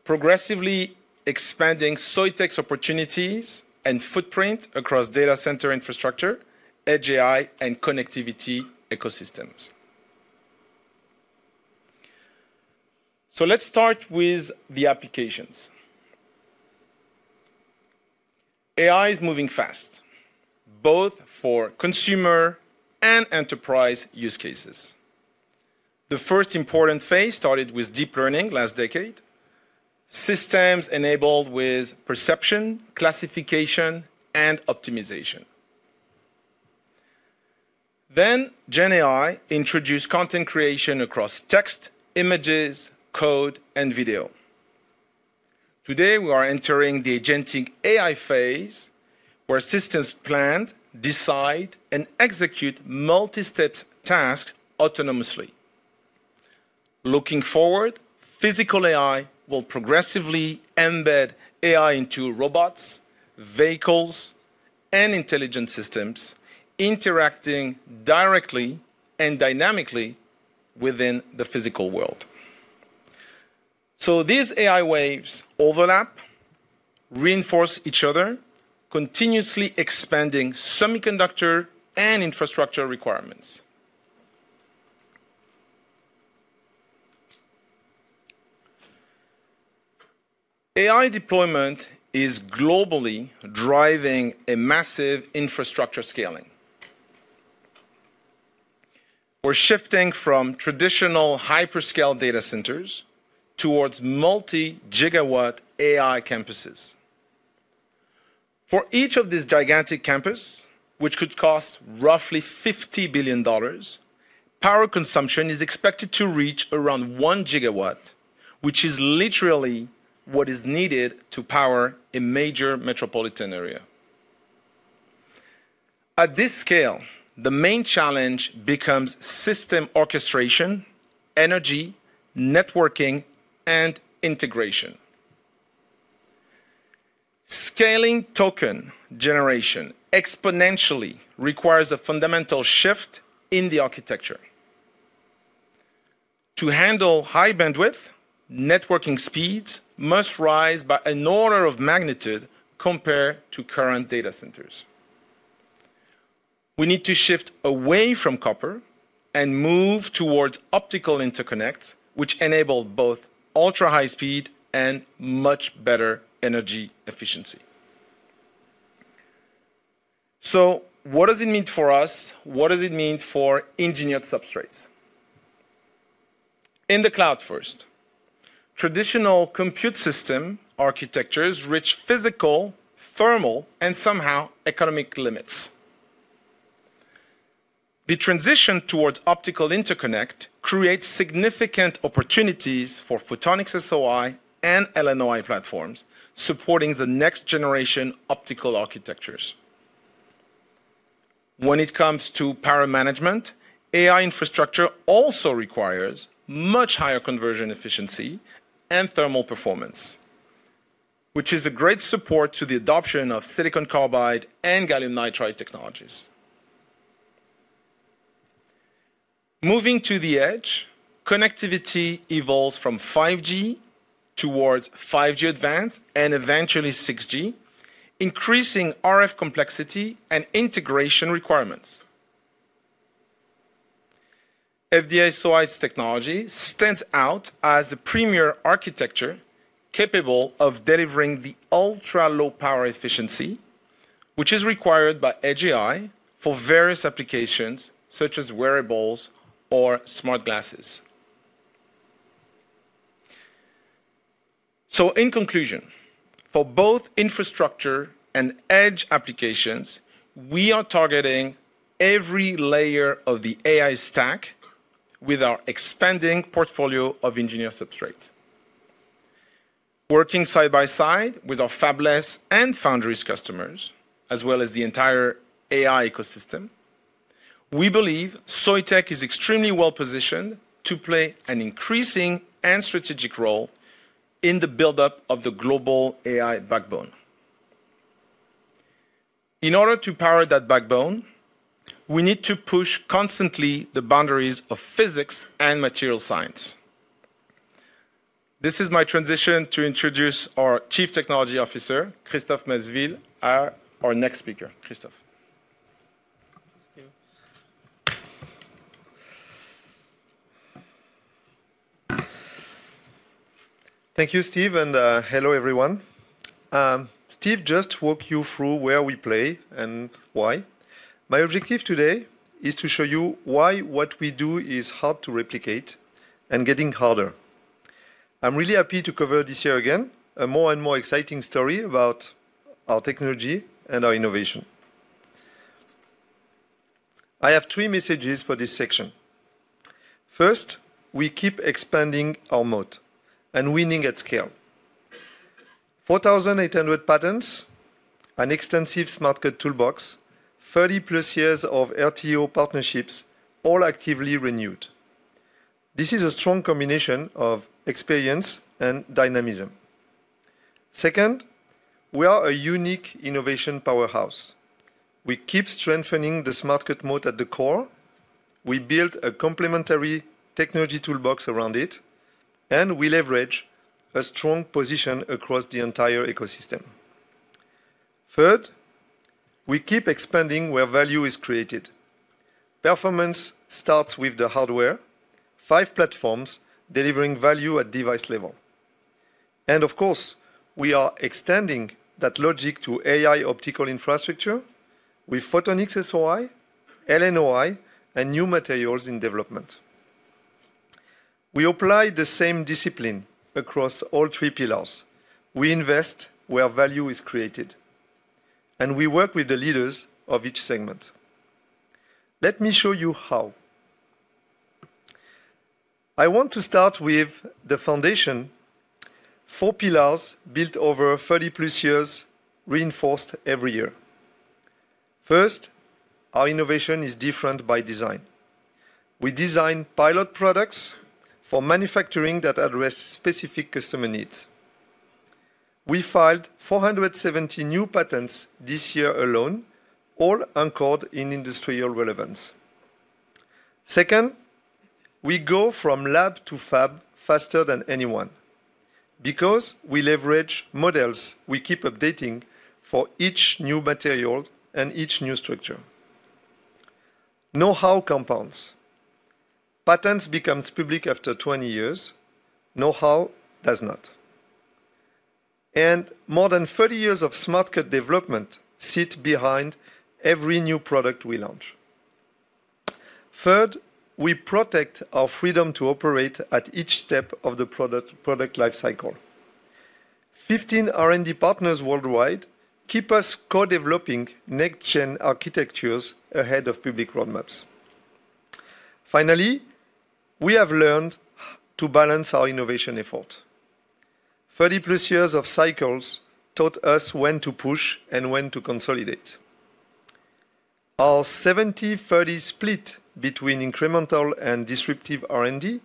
progressively expanding Soitec's opportunities and footprint across data center infrastructure, Edge AI, and connectivity ecosystems. Let's start with the applications. AI is moving fast, both for consumer and enterprise use cases. The first important phase started with deep learning last decade. Systems enabled with perception, classification, and optimization. GenAI introduced content creation across text, images, code, and video. Today, we are entering the agentic AI phase, where systems plan, decide, and execute multi-step tasks autonomously. Looking forward, physical AI will progressively embed AI into robots, vehicles, and intelligent systems interacting directly and dynamically within the physical world. These AI waves overlap, reinforce each other, continuously expanding semiconductor and infrastructure requirements. AI deployment is globally driving a massive infrastructure scaling. We're shifting from traditional hyperscale data centers towards multi-gigawatt AI campuses. For each of these gigantic campus, which could cost roughly EUR 50 billion, power consumption is expected to reach around 1 GW, which is literally what is needed to power a major metropolitan area. At this scale, the main challenge becomes system orchestration, energy, networking, and integration. Scaling token generation exponentially requires a fundamental shift in the architecture. To handle high bandwidth, networking speeds must rise by an order of magnitude compared to current data centers. We need to shift away from copper and move towards optical interconnect, which enable both ultra-high speed and much better energy efficiency. What does it mean for us? What does it mean for engineered substrates? In the cloud first, traditional compute system architectures reach physical, thermal, and somehow economic limits. The transition towards optical interconnect creates significant opportunities for Photonics-SOI and LNOI platforms, supporting the next-generation optical architectures. When it comes to power management, AI infrastructure also requires much higher conversion efficiency and thermal performance, which is a great support to the adoption of silicon carbide and gallium nitride technologies. Moving to the edge, connectivity evolves from 5G towards 5G advanced and eventually 6G, increasing RF complexity and integration requirements. FD-SOI's technology stands out as the premier architecture capable of delivering the ultra-low power efficiency, which is required by Edge AI for various applications such as wearables or smart glasses. In conclusion, for both infrastructure and edge applications, we are targeting every layer of the AI stack with our expanding portfolio of engineered substrates. Working side by side with our fabless and foundries customers, as well as the entire AI ecosystem, we believe Soitec is extremely well-positioned to play an increasing and strategic role in the buildup of the global AI backbone. In order to power that backbone, we need to push constantly the boundaries of physics and material science. This is my transition to introduce our Chief Technology Officer, Christophe Maleville, our next speaker. Christophe. Thank you. Thank you, Steve, and hello, everyone. Steve just walked you through where we play and why. My objective today is to show you why what we do is hard to replicate and getting harder. I'm really happy to cover this year again, a more and more exciting story about our technology and our innovation. I have three messages for this section. First, we keep expanding our moat and winning at scale. 4,800 patents, an extensive Smart Cut toolbox, 30+ years of RTO partnerships, all actively renewed. This is a strong combination of experience and dynamism. Second, we are a unique innovation powerhouse. We keep strengthening the Smart Cut moat at the core, we build a complementary technology toolbox around it, and we leverage a strong position across the entire ecosystem. Third, we keep expanding where value is created. Performance starts with the hardware, five platforms delivering value at device level. Of course, we are extending that logic to AI optical infrastructure with Photonics-SOI, LNOI, and new materials in development. We apply the same discipline across all three pillars. We invest where value is created, and we work with the leaders of each segment. Let me show you how. I want to start with the foundation, four pillars built over 30+ years, reinforced every year. First, our innovation is different by design. We design pilot products for manufacturing that address specific customer needs. We filed 470 new patents this year alone, all anchored in industrial relevance. Second, we go from lab to fab faster than anyone, because we leverage models we keep updating for each new material and each new structure. Know-how compounds. Patents becomes public after 20 years, know-how does not. More than 30 years of Smart Cut development sit behind every new product we launch. We protect our freedom to operate at each step of the product life cycle. 15 R&D partners worldwide keep us co-developing next-gen architectures ahead of public roadmaps. We have learned to balance our innovation effort. 30+ years of cycles taught us when to push and when to consolidate. Our 70/30 split between incremental and disruptive R&D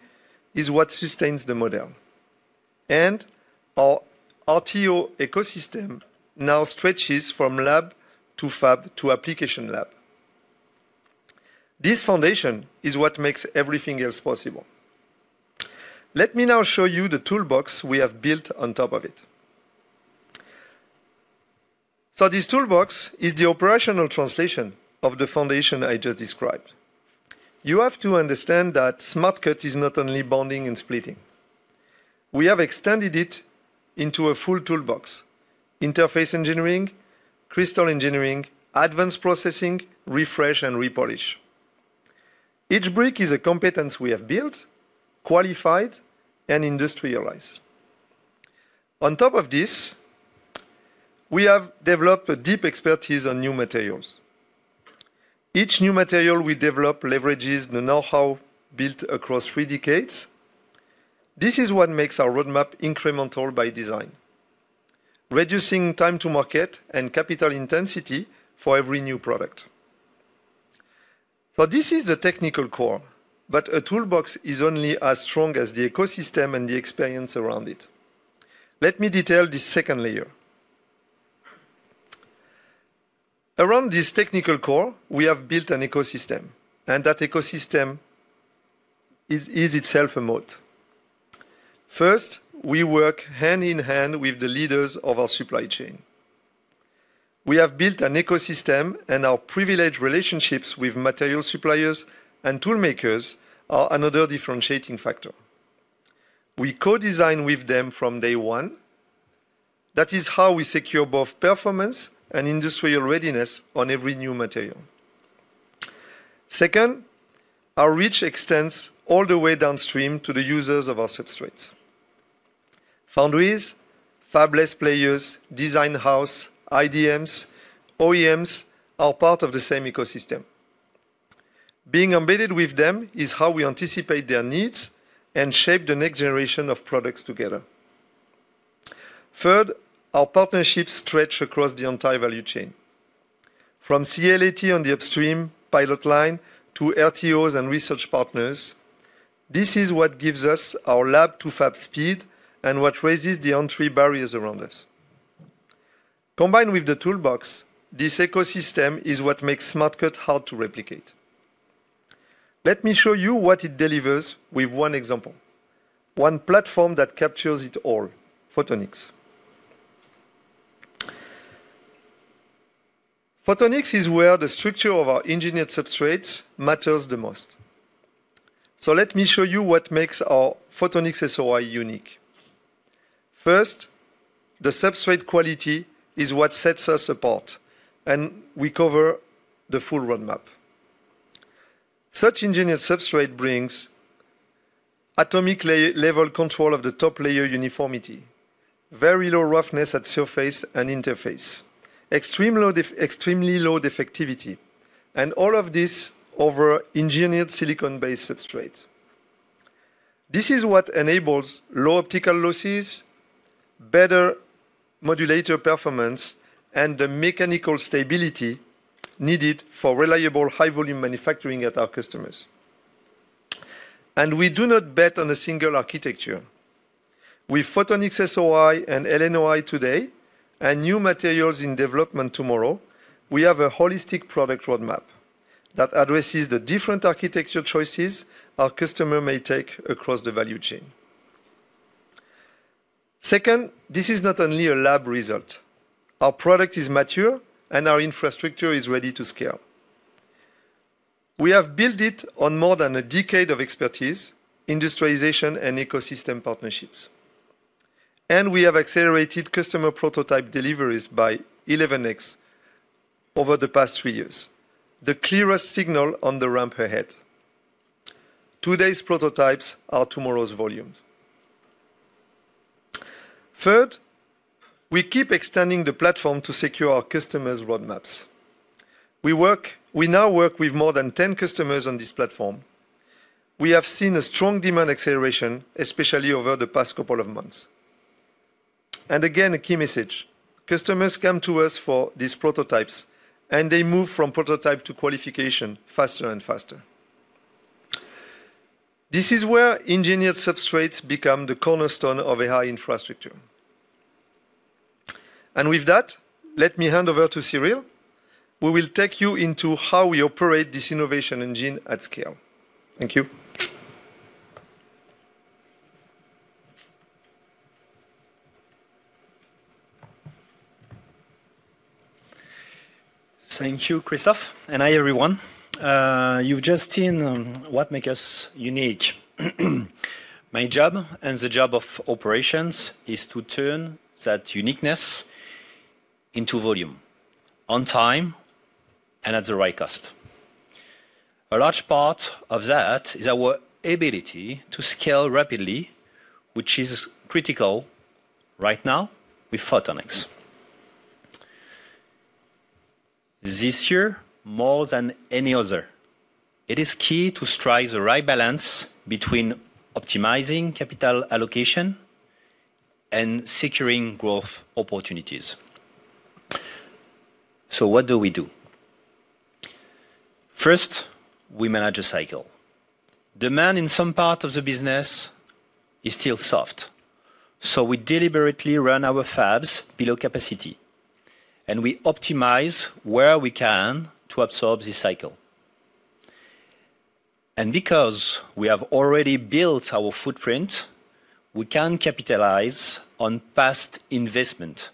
is what sustains the model, and our RTO ecosystem now stretches from lab to fab to application lab. This foundation is what makes everything else possible. Let me now show you the toolbox we have built on top of it. This toolbox is the operational translation of the foundation I just described. You have to understand that Smart Cut is not only bonding and splitting. We have extended it into a full toolbox, interface engineering, crystal engineering, advanced processing, refresh, and repolish. Each brick is a competence we have built, qualified, and industrialized. On top of this, we have developed a deep expertise on new materials. Each new material we develop leverages the know-how built across three decades. This is what makes our roadmap incremental by design, reducing time to market and capital intensity for every new product. This is the technical core, but a toolbox is only as strong as the ecosystem and the experience around it. Let me detail this second layer. Around this technical core, we have built an ecosystem, and that ecosystem is itself a moat. First, we work hand-in-hand with the leaders of our supply chain. We have built an ecosystem, and our privileged relationships with material suppliers and tool makers are another differentiating factor. We co-design with them from day one. That is how we secure both performance and industrial readiness on every new material. Second, our reach extends all the way downstream to the users of our substrates. Foundries, fabless players, design house, IDMs, OEMs are part of the same ecosystem. Being embedded with them is how we anticipate their needs and shape the next generation of products together. Third, our partnerships stretch across the entire value chain. From CEA-Leti on the upstream pilot line to RTOs and research partners, this is what gives us our lab-to-fab speed and what raises the entry barriers around us. Combined with the toolbox, this ecosystem is what makes Smart Cut hard to replicate. Let me show you what it delivers with one example, one platform that captures it all, photonics. Photonics is where the structure of our engineered substrates matters the most. Let me show you what makes our Photonics-SOI unique. First, the substrate quality is what sets us apart, and we cover the full roadmap. Such engineered substrate brings atomic-level control of the top layer uniformity, very low roughness at surface and interface, extremely low defectivity, and all of this over engineered silicon-based substrates. This is what enables low optical losses, better modulator performance, and the mechanical stability needed for reliable high-volume manufacturing at our customers. We do not bet on a single architecture. With Photonics-SOI and LNOI today, and new materials in development tomorrow, we have a holistic product roadmap that addresses the different architecture choices our customer may take across the value chain. Second, this is not only a lab result. Our product is mature, and our infrastructure is ready to scale. We have built it on more than a decade of expertise, industrialization, and ecosystem partnerships. We have accelerated customer prototype deliveries by 11x over the past three years, the clearest signal on the ramp ahead. Today's prototypes are tomorrow's volumes. Third, we keep extending the platform to secure our customers' roadmaps. We now work with more than 10 customers on this platform. We have seen a strong demand acceleration, especially over the past couple of months. Again, a key message, customers come to us for these prototypes, and they move from prototype to qualification faster and faster. This is where engineered substrates become the cornerstone of AI infrastructure. With that, let me hand over to Cyril, who will take you into how we operate this innovation engine at scale. Thank you. Thank you, Christophe, and hi, everyone. You've just seen what makes us unique. My job and the job of operations is to turn that uniqueness into volume, on time, and at the right cost. A large part of that is our ability to scale rapidly, which is critical right now with photonics. This year, more than any other, it is key to strike the right balance between optimizing capital allocation and securing growth opportunities. What do we do? First, we manage a cycle. Demand in some parts of the business is still soft, so we deliberately run our fabs below capacity, and we optimize where we can to absorb this cycle. Because we have already built our footprint, we can capitalize on past investment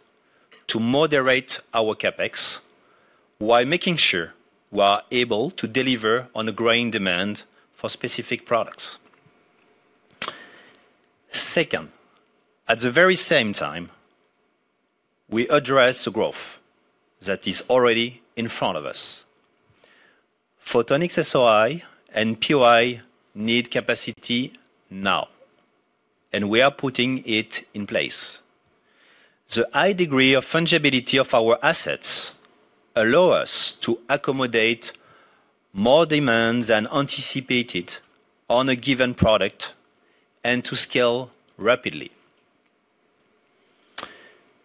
to moderate our CapEx, while making sure we are able to deliver on a growing demand for specific products. Second, at the very same time, we address the growth that is already in front of us. Photonics-SOI and POI need capacity now, and we are putting it in place. The high degree of fungibility of our assets allows us to accommodate more demand than anticipated on a given product and to scale rapidly.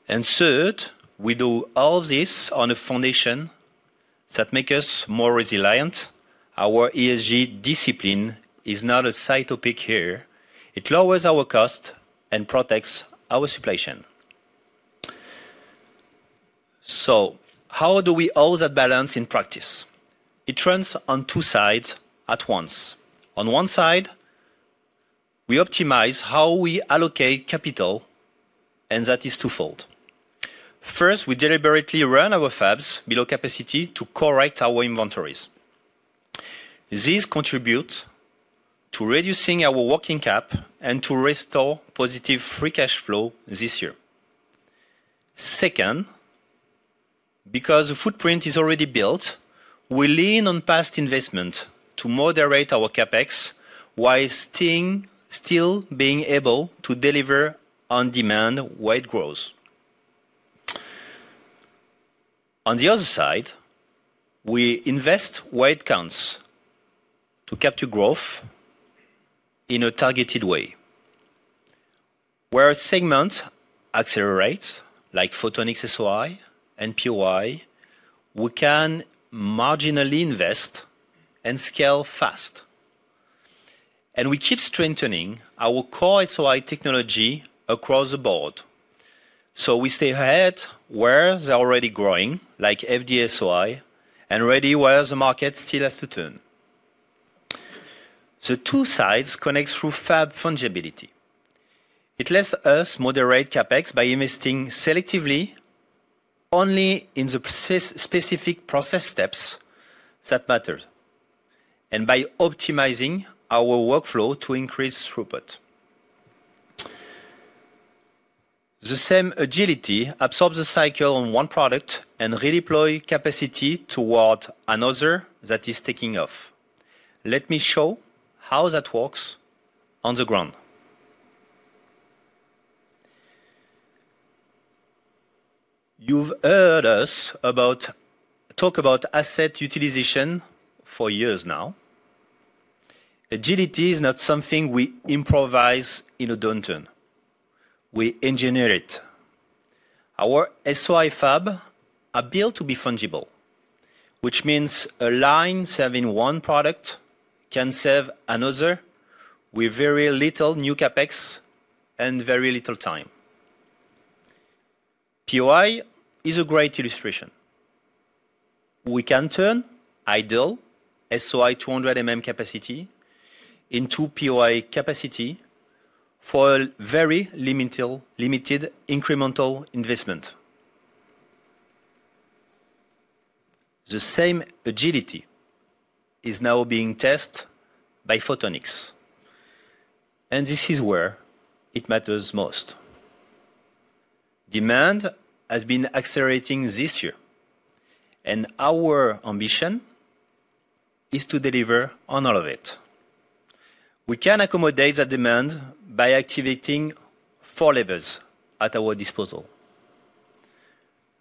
Third, we do all of this on a foundation that makes us more resilient. Our ESG discipline is not a side topic here. It lowers our cost and protects our supply chain. How do we hold that balance in practice? It runs on two sides at once. On one side, we optimize how we allocate capital, and that is twofold. First, we deliberately run our fabs below capacity to correct our inventories. This contributes to reducing our working cap and to restore positive free cash flow this year. Second, because the footprint is already built, we lean on past investment to moderate our CapEx while still being able to deliver on-demand where it grows. We invest where it counts to capture growth in a targeted way. Where a segment accelerates, like Photonics-SOI and POI, we can marginally invest and scale fast, we keep strengthening our core SOI technology across the board. We stay ahead where they are already growing, like FD-SOI, and ready where the market still has to turn. The two sides connect through fab fungibility. It lets us moderate CapEx by investing selectively only in the specific process steps that matter, by optimizing our workflow to increase throughput. The same agility absorbs the cycle on one product and redeploys capacity toward another that is taking off. Let me show how that works on the ground. You've heard us talk about asset utilization for years now. Agility is not something we improvise in a downturn. We engineer it. Our SOI fab are built to be fungible, which means a line serving one product can serve another with very little new CapEx and very little time. POI is a great illustration. We can turn idle SOI 200 mm capacity into POI capacity for a very limited incremental investment. The same agility is now being tested by Photonics, and this is where it matters most. Demand has been accelerating this year, and our ambition is to deliver on all of it. We can accommodate that demand by activating four levers at our disposal.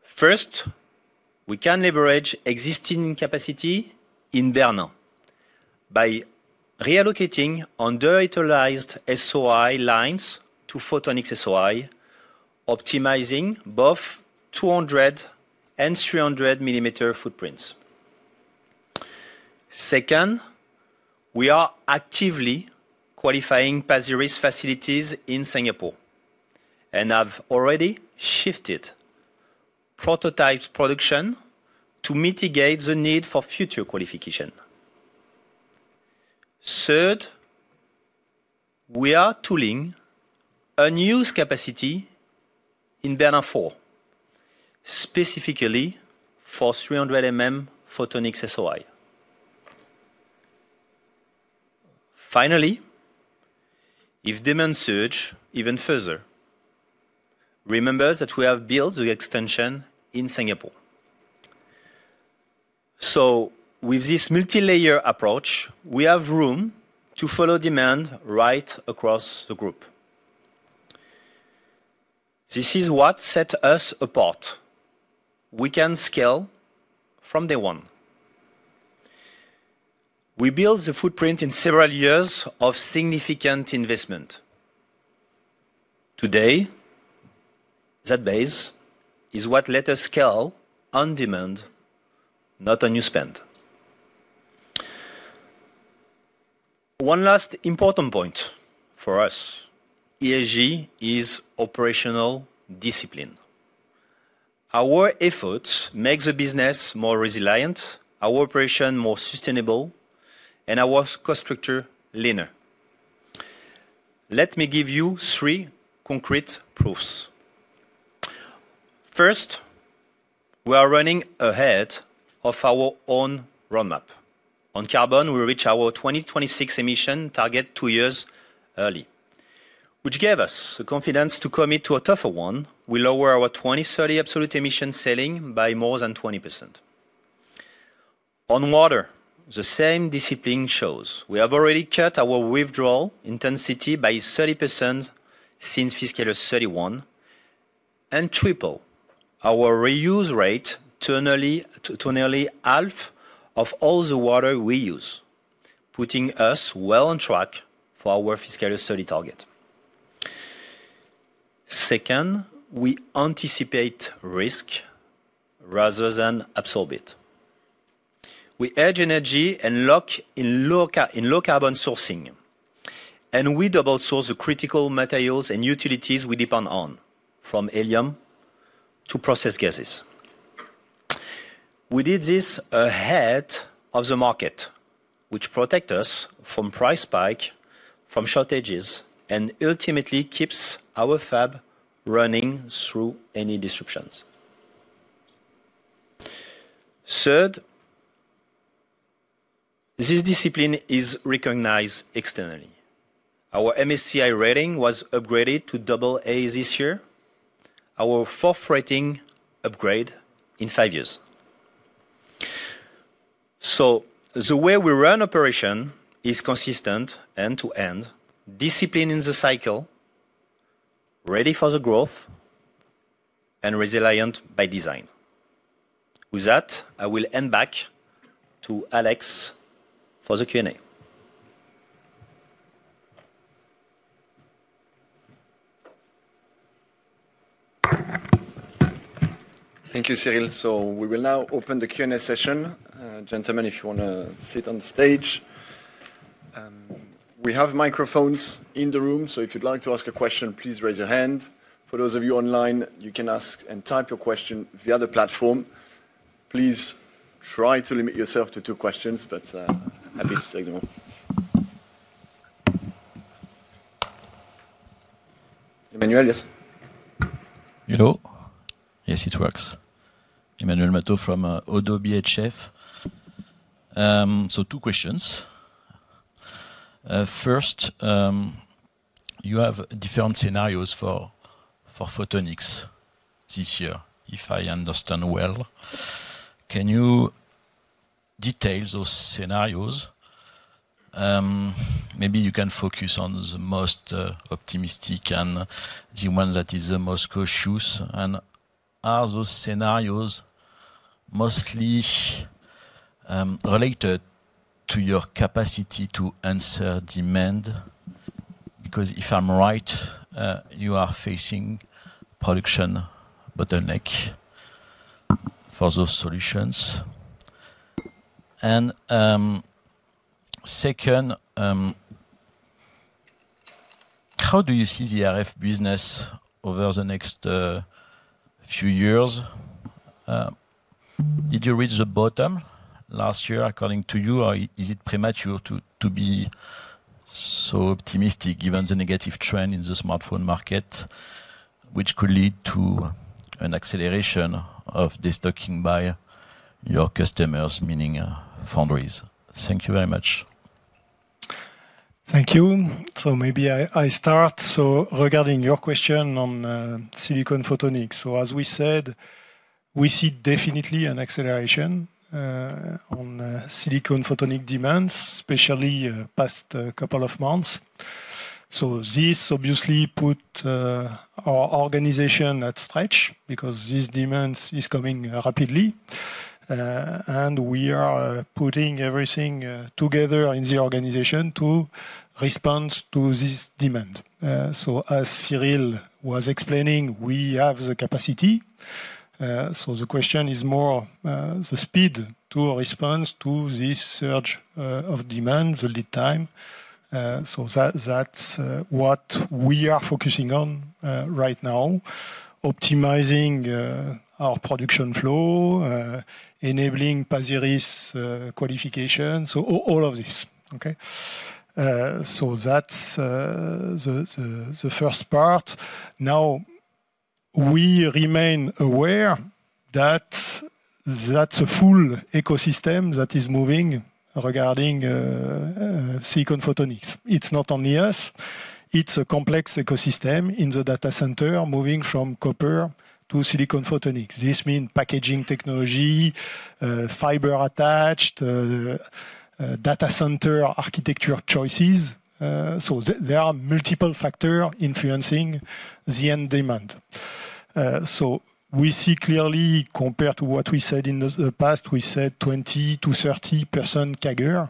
First, we can leverage existing capacity in Bernin by reallocating underutilized SOI lines to Photonics-SOI, optimizing both 200 mm and 300 mm footprints. We are actively qualifying Pasir Ris facilities in Singapore and have already shifted prototype production to mitigate the need for future qualification. We are tooling a new capacity in Bernin 4, specifically for 300 mm Photonics-SOI. If demand surge even further, remember that we have built the extension in Singapore. With this multi-layer approach, we have room to follow demand right across the group. This is what set us apart. We can scale from day one. We built the footprint in several years of significant investment. Today, that base is what let us scale on demand, not on new spend. One last important point for us, ESG is operational discipline. Our effort makes the business more resilient, our operation more sustainable, and our cost structure leaner. Let me give you three concrete proofs. We are running ahead of our own roadmap. On carbon, we reach our 2026 emission target two years early, which gave us the confidence to commit to a tougher one. We lower our 2030 absolute emission ceiling by more than 20%. On water, the same discipline shows. We have already cut our withdrawal intensity by 30% since fiscal year 2021, and triple our reuse rate to nearly half of all the water we use, putting us well on track for our fiscal year 2030 target. Second, we anticipate risk rather than absorb it. We hedge energy in low carbon sourcing, and we double source the critical materials and utilities we depend on, from helium to processed gases. We did this ahead of the market, which protect us from price spike, from shortages, and ultimately keeps our fab running through any disruptions. Third, this discipline is recognized externally. Our MSCI rating was upgraded to AA this year, our fourth rating upgrade in five years. The way we run operation is consistent end to end, discipline in the cycle, ready for the growth, and resilient by design. With that, I will hand back to Alex for the Q&A. Thank you, Cyril. We will now open the Q&A session. Gentlemen, if you want to sit on stage. We have microphones in the room, so if you'd like to ask a question, please raise your hand. For those of you online, you can ask and type your question via the platform. Please try to limit yourself to two questions, but happy to take them all. Emmanuel, yes. Hello. Yes, it works. Emmanuel Matot from ODDO BHF. Two questions. First, you have different scenarios for photonics this year, if I understand well. Can you detail those scenarios? Maybe you can focus on the most optimistic and the one that is the most cautious, and are those scenarios mostly related to your capacity to answer demand? Because if I'm right, you are facing production bottleneck for those solutions. Second, how do you see the RF business over the next few years? Did you reach the bottom last year, according to you, or is it premature to be so optimistic given the negative trend in the smartphone market, which could lead to an acceleration of destocking by your customers, meaning foundries? Thank you very much. Thank you. Maybe I start. Regarding your question on silicon photonics. As we said, we see definitely an acceleration on silicon photonic demands, especially past couple of months. This obviously put our organization at stretch because this demand is coming rapidly. We are putting everything together in the organization to respond to this demand. As Cyril was explaining, we have the capacity. The question is more the speed to respond to this surge of demand, the lead time. That's what we are focusing on right now, optimizing our production flow, enabling Pasir Ris qualification. All of this. Okay? That's the first part. Now, we remain aware that that's a full ecosystem that is moving regarding silicon photonics. It's not only us. It's a complex ecosystem in the data center, moving from copper to silicon photonics. This means packaging technology, fiber attached, data center architecture choices. There are multiple factors influencing the end demand. We see clearly compared to what we said in the past, we said 20%-30% CAGR.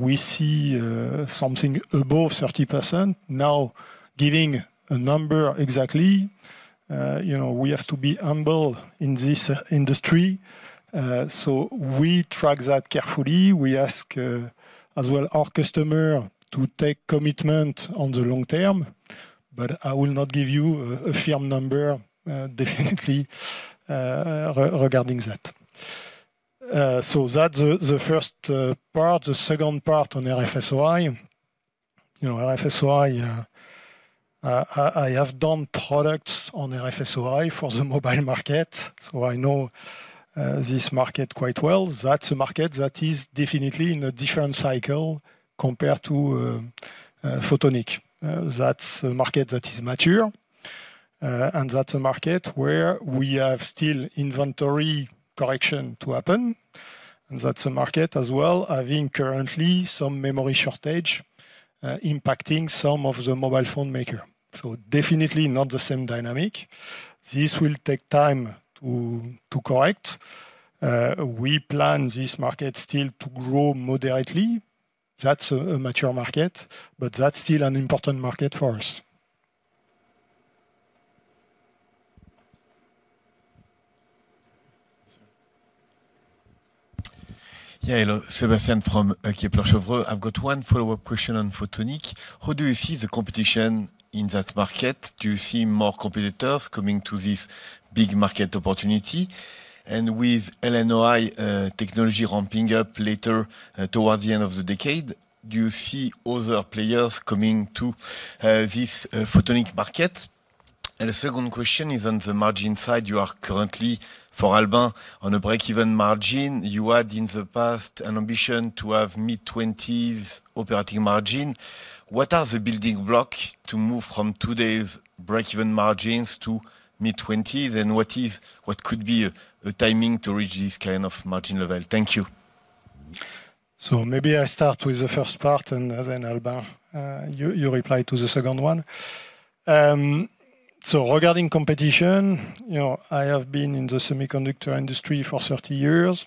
We see something above 30%. Giving a number exactly, we have to be humble in this industry. We track that carefully. We ask as well our customers to take commitment on the long term. I will not give you a firm number definitely regarding that. That's the first part. The second part on RF-SOI. RF-SOI, I have done products on RF-SOI for the mobile market, so I know this market quite well. That's a market that is definitely in a different cycle compared to photonic. That's a market that is mature, and that's a market where we have still inventory correction to happen. That's a market as well, having currently some memory shortage impacting some of the mobile phone maker. Definitely not the same dynamic. This will take time to correct. We plan this market still to grow moderately. That's a mature market, but that's still an important market for us. Hello. Sébastien from Kepler Cheuvreux. I've got one follow-up question on photonic. How do you see the competition in that market? Do you see more competitors coming to this big market opportunity? With LNOI technology ramping up later towards the end of the decade, do you see other players coming to this photonic market? The second question is on the margin side. You are currently, for Albin, on a break-even margin. You had, in the past, an ambition to have mid-20s operating margin. What are the building block to move from today's break-even margins to mid-20s, what could be a timing to reach this kind of margin level? Thank you. Maybe I start with the first part, and then Albin, you reply to the second one. Regarding competition, I have been in the semiconductor industry for 30 years.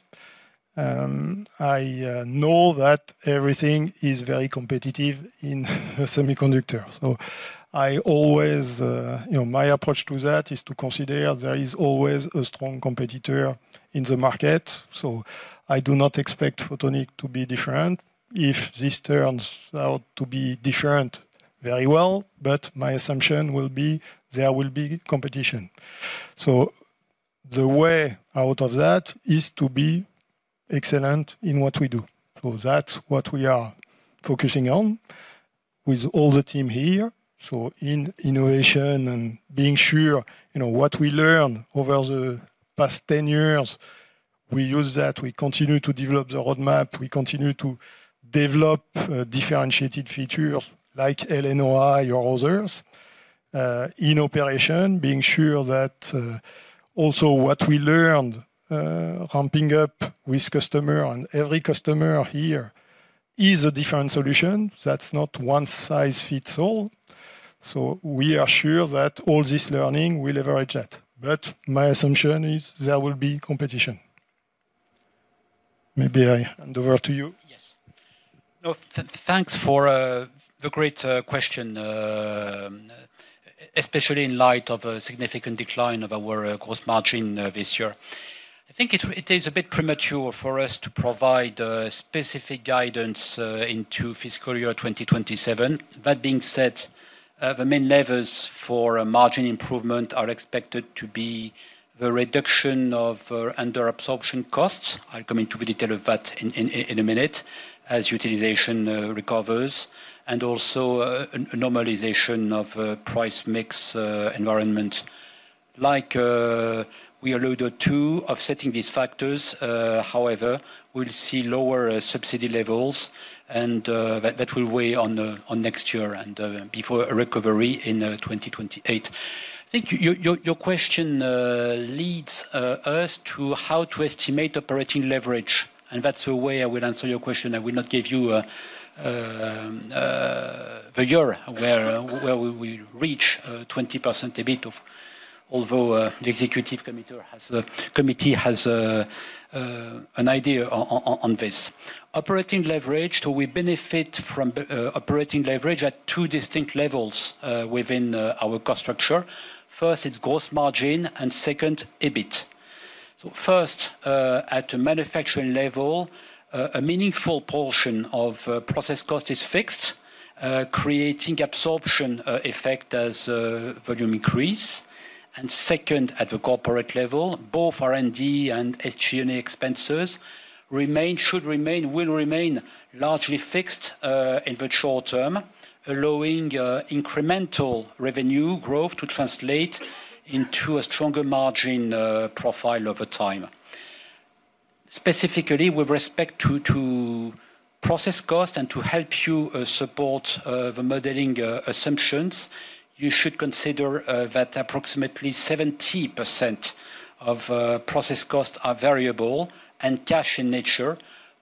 I know that everything is very competitive in semiconductor. My approach to that is to consider there is always a strong competitor in the market, so I do not expect photonic to be different. If this turns out to be different, very well, but my assumption will be there will be competition. The way out of that is to be excellent in what we do. That's what we are focusing on with all the team here. In innovation and being sure what we learn over the past 10 years, we use that. We continue to develop the roadmap. We continue to develop differentiated features like LNOI or others. In operation, being sure that also what we learned, ramping up with customer on every customer here is a different solution. That's not one size fits all. We are sure that all this learning, we leverage that. My assumption is there will be competition. Maybe I hand over to you. Yes. No, thanks for the great question, especially in light of a significant decline of our gross margin this year. I think it is a bit premature for us to provide specific guidance into fiscal year 2027. That being said, the main levers for a margin improvement are expected to be the reduction of under-absorption costs. I'll come into the detail of that in a minute, as utilization recovers, and also a normalization of price mix environment. Like we alluded to, offsetting these factors, however, we'll see lower subsidy levels. That will weigh on next year and before a recovery in 2028. I think your question leads us to how to estimate operating leverage. That's a way I will answer your question. I will not give you the year where we will reach 20% EBIT, although the executive committee has an idea on this. Operating leverage. We benefit from operating leverage at two distinct levels within our cost structure. First, it's gross margin, and second, EBIT. First, at a manufacturing level, a meaningful portion of process cost is fixed, creating absorption effect as volume increase. Second, at the corporate level, both R&D and SG&A expenses will remain largely fixed in the short term, allowing incremental revenue growth to translate into a stronger margin profile over time. Specifically, with respect to process cost and to help you support the modeling assumptions, you should consider that approximately 70% of process costs are variable and cash in nature,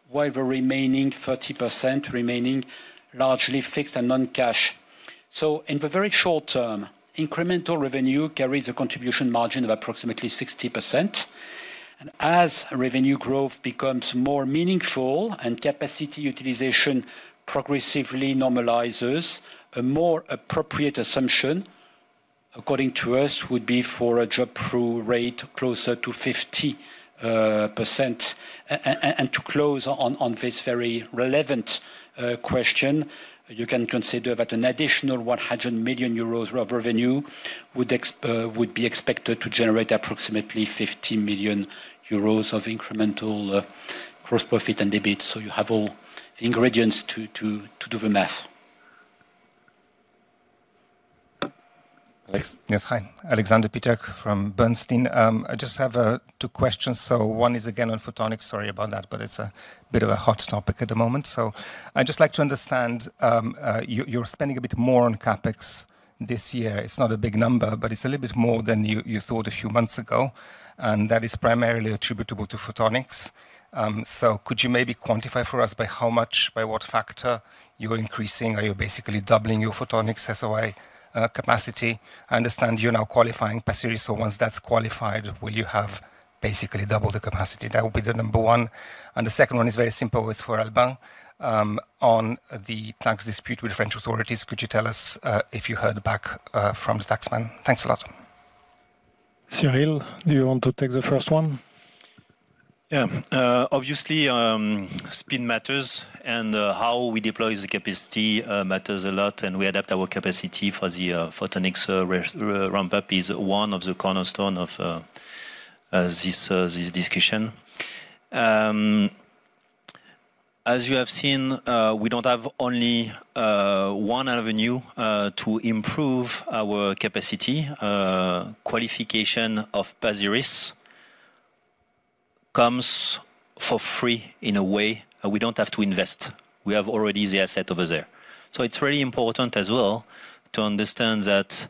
while the remaining 30% remaining largely fixed and non-cash. In the very short term, incremental revenue carries a contribution margin of approximately 60%. As revenue growth becomes more meaningful and capacity utilization progressively normalizes, a more appropriate assumption, according to us, would be for a drop-through rate closer to 50%. To close on this very relevant question, you can consider that an additional 100 million euros of revenue would be expected to generate approximately 50 million euros of incremental gross profit and EBIT. You have all the ingredients to do the math. Alex. Yes. Hi. Alexander Peterc from Bernstein. I just have two questions. One is again on photonics. Sorry about that, it's a bit of a hot topic at the moment. I'd just like to understand, you're spending a bit more on CapEx this year. It's not a big number, but it's a little bit more than you thought a few months ago, and that is primarily attributable to photonics. Could you maybe quantify for us by how much, by what factor you are increasing? Are you basically doubling your Photonics-SOI capacity? I understand you're now qualifying Pasir Ris. Once that's qualified, will you have basically double the capacity? That will be the number one. The second one is very simple. It's for Albin on the tax dispute with French authorities. Could you tell us if you heard back from the tax man? Thanks a lot. Cyril, do you want to take the first one? Yeah. Obviously, speed matters and how we deploy the capacity matters a lot. We adapt our capacity for the photonics ramp-up is one of the cornerstones of this discussion. As you have seen, we don't have only one avenue to improve our capacity. Qualification of Pasir Ris comes for free in a way. We don't have to invest. We have already the asset over there. It's really important as well to understand that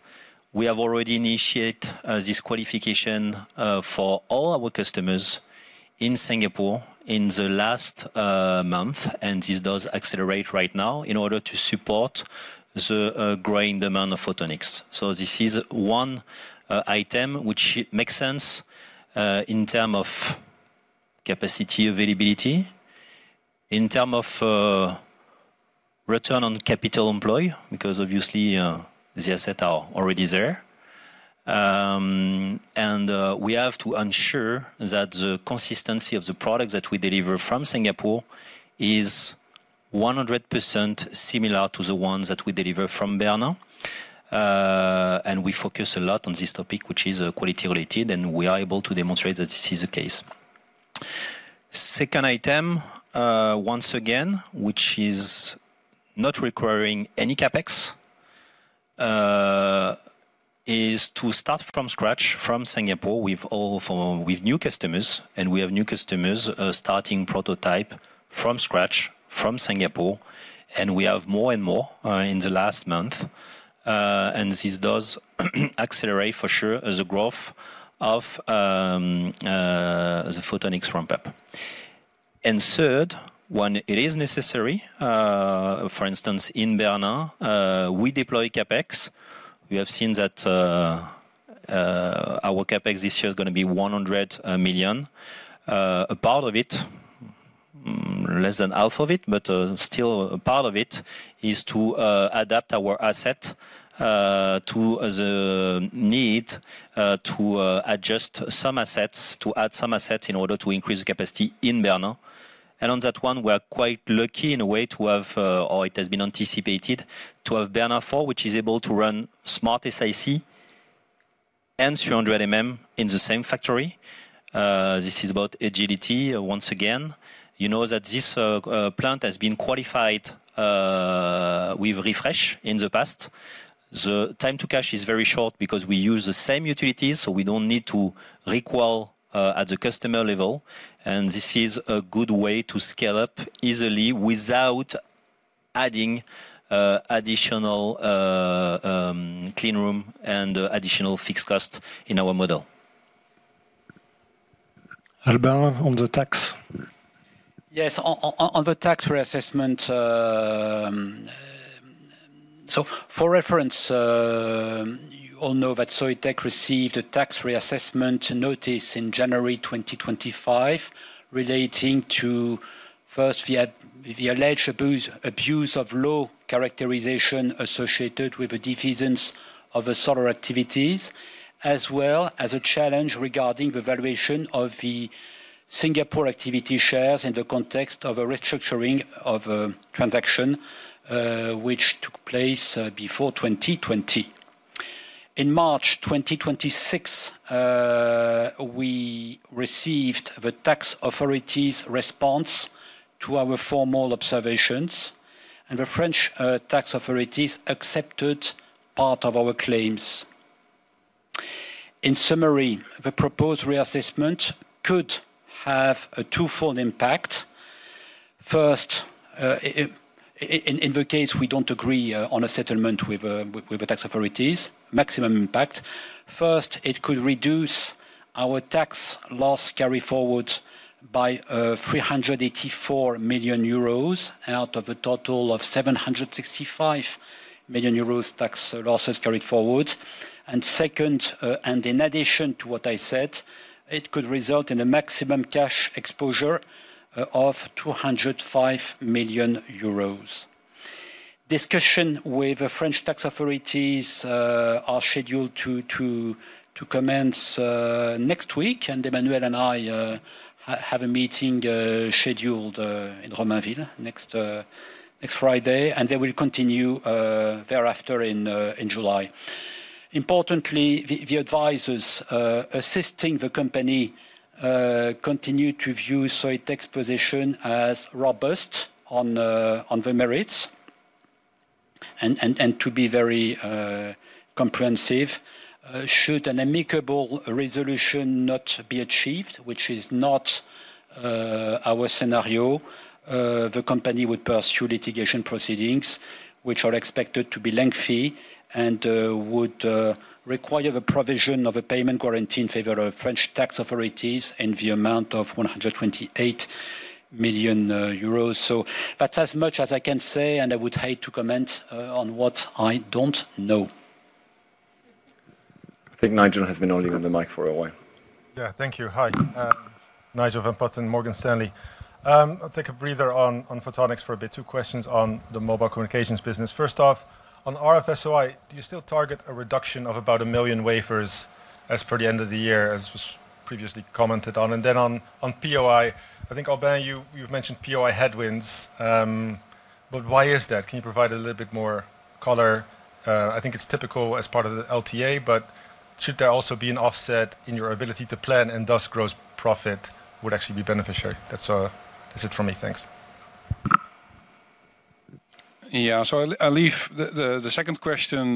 we have already initiate this qualification for all our customers in Singapore in the last month, and this does accelerate right now in order to support the growing demand of photonics. This is one item which makes sense in term of capacity availability, in term of return on capital employ, because obviously the asset are already there. We have to ensure that the consistency of the product that we deliver from Singapore is 100% similar to the ones that we deliver from Bernin. We focus a lot on this topic, which is quality related, and we are able to demonstrate that this is the case. Second item, once again, which is not requiring any CapEx, is to start from scratch from Singapore with new customers, and we have new customers starting prototype from scratch from Singapore, and we have more and more in the last month. This does accelerate for sure the growth of the photonics ramp-up. Third, when it is necessary, for instance in Bernin, we deploy CapEx. We have seen that our CapEx this year is going to be 100 million. A part of it, less than half of it, but still a part of it, is to adapt our asset to the need to adjust some assets, to add some assets in order to increase the capacity in Bernin. On that one, we are quite lucky in a way to have, or it has been anticipated, to have Bernin 4, which is able to run SmartSiC and 300mm in the same factory. This is about agility, once again. You know that this plant has been qualified with refresh in the past. The time to cash is very short because we use the same utilities, so we don't need to requal at the customer level, and this is a good way to scale up easily without adding additional clean room and additional fixed cost in our model. Albin, on the tax. Yes. On the tax reassessment. For reference, you all know that Soitec received a tax reassessment notice in January 2025 relating to, first, the alleged abuse of low characterization associated with a defeasance of solar activities, as well as a challenge regarding the valuation of the Singapore activity shares in the context of a restructuring of a transaction which took place before 2020. In March 2026, we received the tax authority's response to our formal observations. The French tax authorities accepted part of our claims. In summary, the proposed reassessment could have a twofold impact. In the case we don't agree on a settlement with the tax authorities, maximum impact. First, it could reduce our tax loss carry-forward by 384 million euros out of a total of 765 million euros tax losses carry-forward. Second, in addition to what I said, it could result in a maximum cash exposure of 205 million euros. Discussion with the French tax authorities are scheduled to commence next week, and Emmanuelle and I have a meeting scheduled in Romainville next Friday, and they will continue thereafter in July. Importantly, the advisors assisting the company continue to view Soitec's position as robust on the merits. To be very comprehensive, should an amicable resolution not be achieved, which is not our scenario, the company would pursue litigation proceedings, which are expected to be lengthy and would require the provision of a payment guarantee in favor of French tax authorities in the amount of 128 million euros. That's as much as I can say, and I would hate to comment on what I don't know. I think Nigel has been holding on the mic for a while. Yeah. Thank you. Hi. Nigel van Putten, Morgan Stanley. I'll take a breather on Photonics for a bit. Two questions on the mobile communications business. First off, on RF-SOI, do you still target a reduction of about a million wafers as per the end of the year, as was previously commented on? On POI, I think, Albin, you've mentioned POI headwinds, but why is that? Can you provide a little bit more color? I think it's typical as part of the LTA, but should there also be an offset in your ability to plan and thus gross profit would actually be beneficiary? That's it from me. Thanks. I'll leave the second question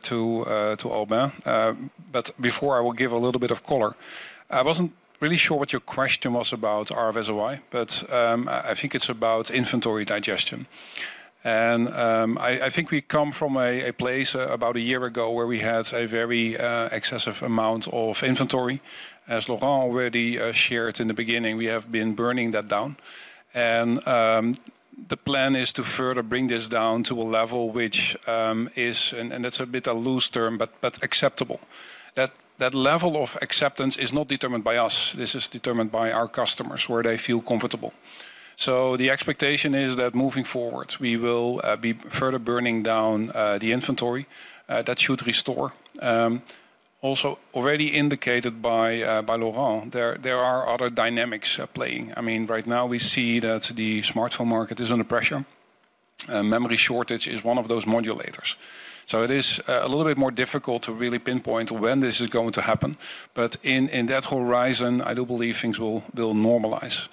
to Albin. Before, I will give a little bit of color. I wasn't really sure what your question was about RF-SOI, I think it's about inventory digestion. I think we come from a place about a year ago where we had a very excessive amount of inventory. As Laurent already shared in the beginning, we have been burning that down. The plan is to further bring this down to a level which is, and that's a bit a loose term, acceptable. That level of acceptance is not determined by us. This is determined by our customers, where they feel comfortable. The expectation is that moving forward, we will be further burning down the inventory that should restore. Also already indicated by Laurent, there are other dynamics playing. Right now we see that the smartphone market is under pressure. Memory shortage is one of those modulators. It is a little bit more difficult to really pinpoint when this is going to happen. In that horizon, I do believe things will normalize.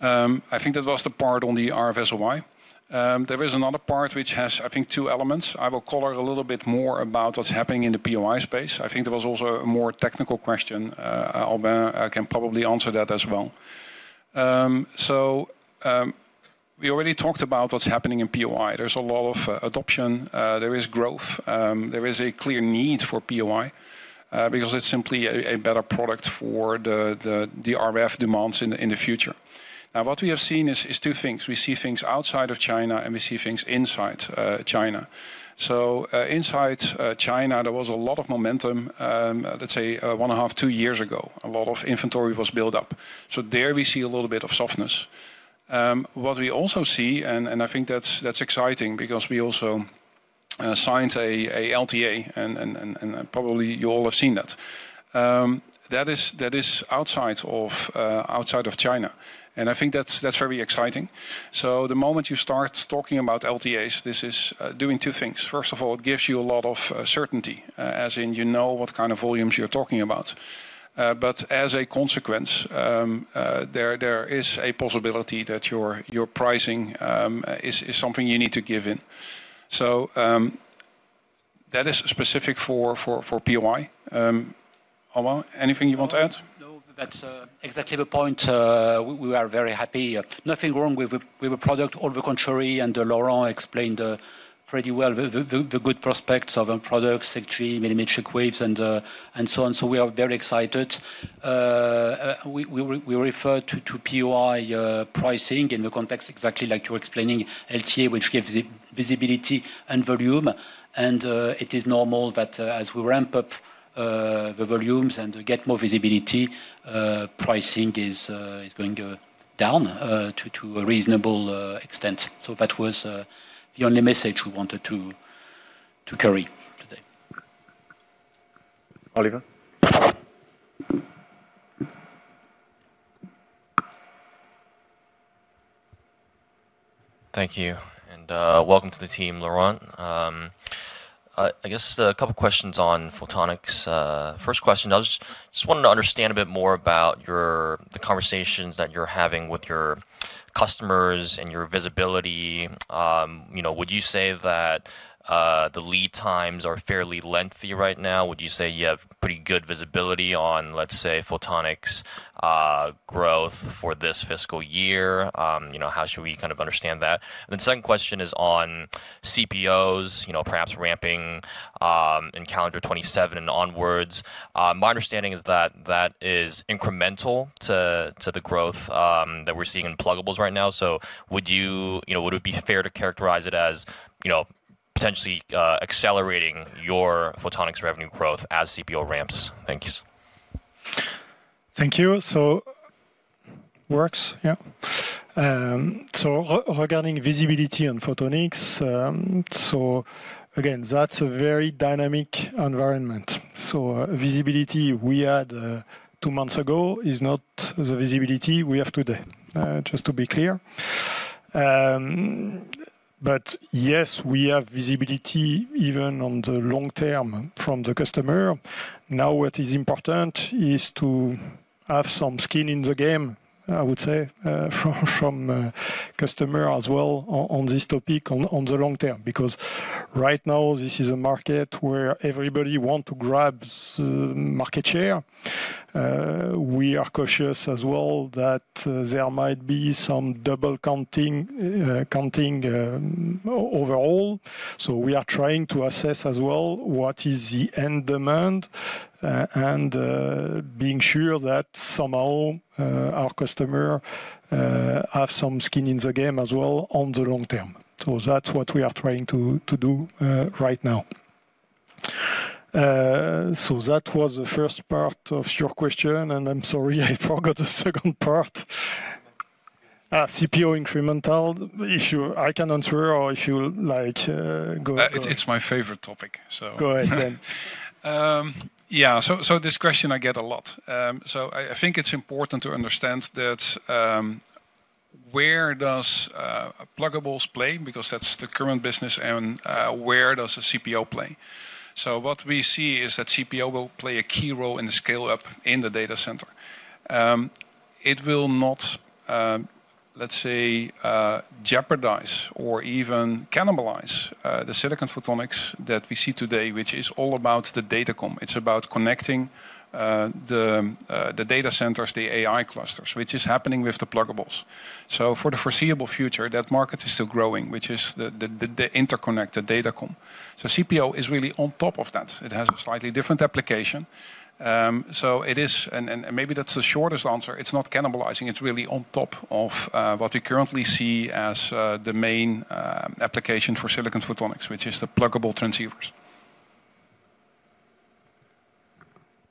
I think that was the part on the RF-SOI. There is another part which has, I think, two elements. I will color a little bit more about what's happening in the POI space. I think there was also a more technical question. Albin can probably answer that as well. We already talked about what's happening in POI. There's a lot of adoption. There is growth. There is a clear need for POI, because it's simply a better product for the RF demands in the future. Now, what we have seen is two things. We see things outside of China, and we see things inside China. Inside China, there was a lot of momentum, let's say, one and a half, two years ago. A lot of inventory was built up. There we see a little bit of softness. What we also see, and I think that's exciting, because we also signed a LTA, and probably you all have seen that. That is outside of China, and I think that's very exciting. The moment you start talking about LTAs, this is doing two things. First of all, it gives you a lot of certainty, as in you know what kind of volumes you're talking about. As a consequence, there is a possibility that your pricing is something you need to give in. That is specific for POI. Albin, anything you want to add? That's exactly the point. We are very happy. Nothing wrong with the product, on the contrary. Laurent explained pretty well the good prospects of our products, actually, millimeter waves and so on. We are very excited. We refer to POI pricing in the context exactly like you're explaining, LTA, which gives visibility and volume. It is normal that as we ramp up the volumes and get more visibility, pricing is going to go down to a reasonable extent. That was the only message we wanted to carry today. Oliver. Thank you. Welcome to the team, Laurent. I guess a couple of questions on photonics. First question, I just wanted to understand a bit more about the conversations that you're having with your customers and your visibility. Would you say that the lead times are fairly lengthy right now? Would you say you have pretty good visibility on, let's say, photonics growth for this fiscal year? How should we understand that? Second question is on CPOs, perhaps ramping in calendar 2027 and onwards. My understanding is that that is incremental to the growth that we're seeing in pluggables right now. Would it be fair to characterize it as potentially accelerating your photonics revenue growth as CPO ramps? Thank you. Thank you. Works, yeah. Regarding visibility on photonics, again, that's a very dynamic environment. Visibility we had two months ago is not the visibility we have today, just to be clear. Yes, we have visibility even on the long term from the customer. Now what is important is to have some skin in the game, I would say, from customer as well on this topic on the long term, because right now this is a market where everybody want to grab market share. We are cautious as well that there might be some double counting overall. We are trying to assess as well, what is the end demand and being sure that somehow our customer have some skin in the game as well on the long term. That's what we are trying to do right now. That was the first part of your question, and I'm sorry, I forgot the second part. CPO incremental issue, I can answer or if you like, go. It's my favorite topic. Go ahead then. This question I get a lot. I think it's important to understand that where does pluggables play, because that's the current business, and where does the CPO play? What we see is that CPO will play a key role in the scale-up in the data center. It will not, let's say, jeopardize or even cannibalize the silicon photonics that we see today, which is all about the datacom. It's about connecting the data centers, the AI clusters, which is happening with the pluggables. For the foreseeable future, that market is still growing, which is the interconnected datacom. CPO is really on top of that. It has a slightly different application. Maybe that's the shortest answer. It's not cannibalizing. It's really on top of what we currently see as the main application for silicon photonics, which is the pluggable transceivers.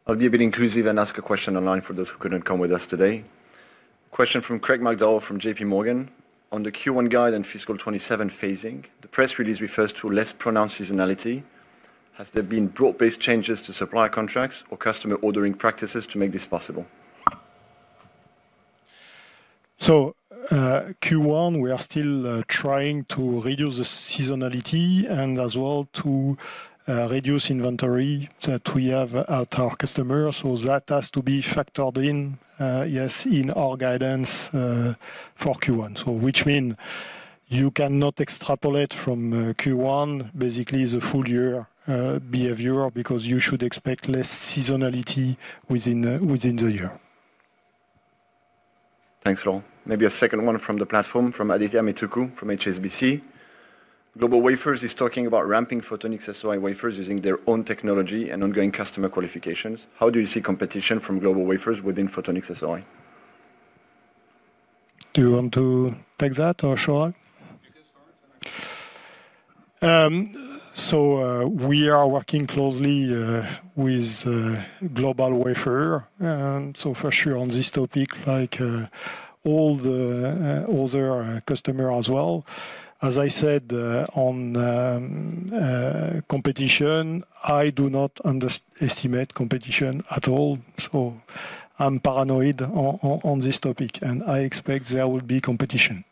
I'll be a bit inclusive and ask a question online for those who couldn't come with us today. Question from Craig McDonald from JPMorgan. On the Q1 guide and fiscal 2027 phasing, the press release refers to less pronounced seasonality. Has there been broad-based changes to supply contracts or customer ordering practices to make this possible? Q1, we are still trying to reduce the seasonality and as well to reduce inventory that we have at our customer. That has to be factored in, yes, in our guidance for Q1. Which mean you cannot extrapolate from Q1 basically the full year behavior, because you should expect less seasonality within the year. Thanks, Laurent. Maybe a second one from the platform from Adithya Metuku from HSBC. GlobalWafers is talking about ramping Photonics-SOI wafers using their own technology and ongoing customer qualifications. How do you see competition from GlobalWafers within Photonics-SOI? Do you want to take that or should I? You can start. We are working closely with GlobalWafers. For sure on this topic, like all the other customer as well, as I said on competition, I do not underestimate competition at all. I'm paranoid on this topic, and I expect there will be competition.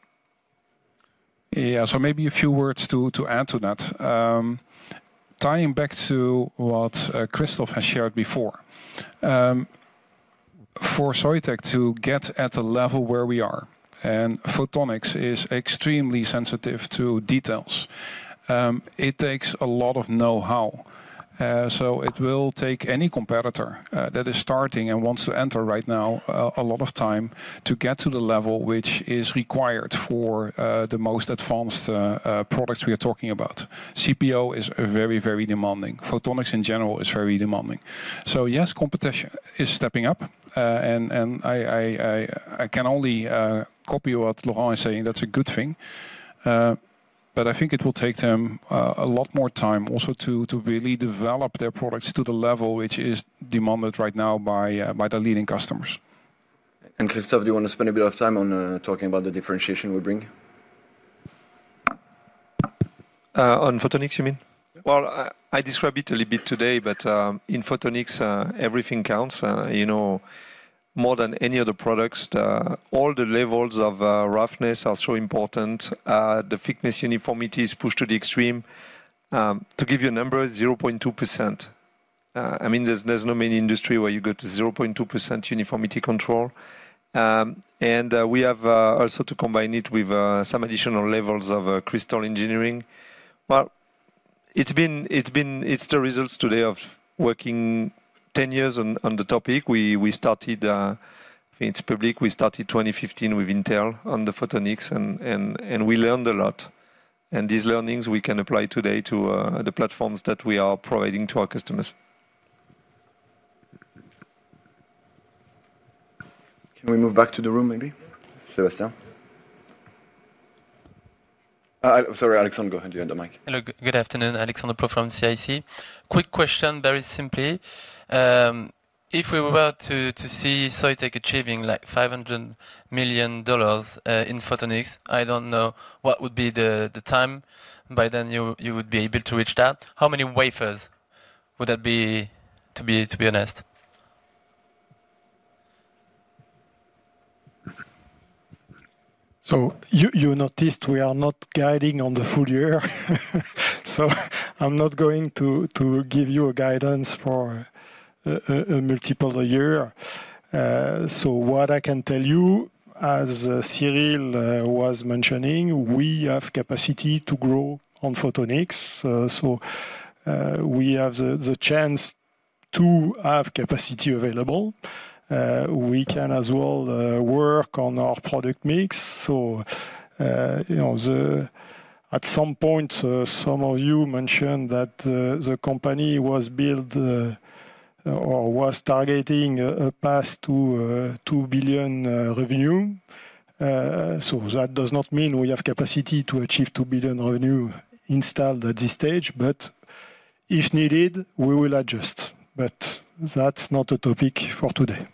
Yeah. Maybe a few words to add to that. Tying back to what Christophe has shared before. For Soitec to get at the level where we are. Photonics is extremely sensitive to details. It takes a lot of know-how. It will take any competitor that is starting and wants to enter right now, a lot of time to get to the level which is required for the most advanced products we are talking about. CPO is very demanding. Photonics, in general, is very demanding. Yes, competition is stepping up, and I can only copy what Laurent is saying, that's a good thing. I think it will take them a lot more time also to really develop their products to the level which is demanded right now by the leading customers. Christophe, do you want to spend a bit of time on talking about the differentiation we bring? On photonics, you mean? Yeah. Well, I described it a little bit today, in photonics, everything counts. More than any other products, all the levels of roughness are so important. The thickness uniformity is pushed to the extreme. To give you a number, 0.2%. There's no main industry where you go to 0.2% uniformity control. We have also to combine it with some additional levels of crystal engineering. It's the results today of working 10 years on the topic. We started, it's public, we started 2015 with Intel on the photonics, we learned a lot. These learnings we can apply today to the platforms that we are providing to our customers. Can we move back to the room, maybe? Sébastien. I'm sorry, Alexandre, go ahead. You had the mic. Hello, good afternoon. Alexandre Plaud from CIC. Quick question, very simply. If we were to see Soitec achieving EUR 500 million in photonics, I don't know what would be the time by then you would be able to reach that. How many wafers would that be, to be honest? You noticed we are not guiding on the full year. I'm not going to give you a guidance for a multiple year. What I can tell you, as Cyril was mentioning, we have capacity to grow on photonics. We have the chance to have capacity available. We can as well work on our product mix. At some point, some of you mentioned that the company was built or was targeting a path to 2 billion revenue. That does not mean we have capacity to achieve 2 billion revenue installed at this stage. If needed, we will adjust. That's not a topic for today.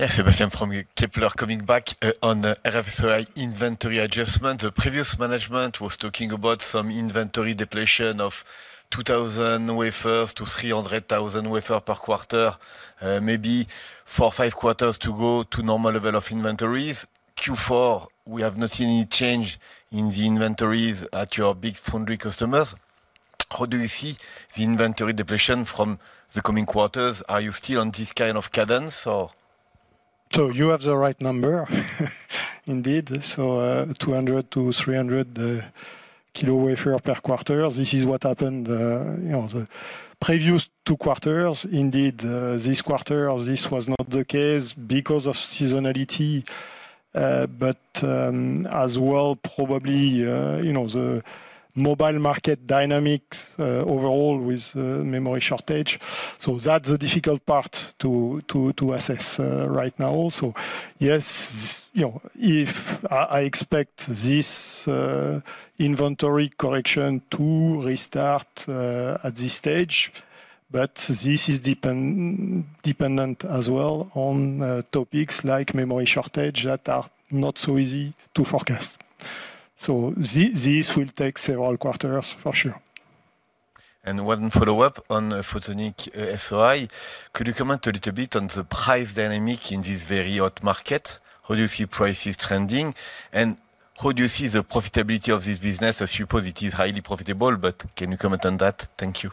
Sébastien. Yes, Sébastien from Kepler. Coming back on the RF-SOI inventory adjustment. The previous management was talking about some inventory depletion of 2,000 wafers to 300,000 wafer per quarter, maybe four, five quarters to go to normal level of inventories. Q4, we have not seen any change in the inventories at your big foundry customers. How do you see the inventory depletion from the coming quarters? Are you still on this kind of cadence or? You have the right number indeed. 200 k-300 k wafer per quarter. This is what happened the previous two quarters. Indeed, this quarter, this was not the case because of seasonality. As well, probably, the mobile market dynamics overall with memory shortage. That's the difficult part to assess right now. Yes, if I expect this inventory correction to restart at this stage, but this is dependent as well on topics like memory shortage that are not so easy to forecast. This will take several quarters for sure. One follow-up on Photonics-SOI. Could you comment a little bit on the price dynamic in this very hot market? How do you see prices trending? How do you see the profitability of this business? I suppose it is highly profitable, but can you comment on that? Thank you.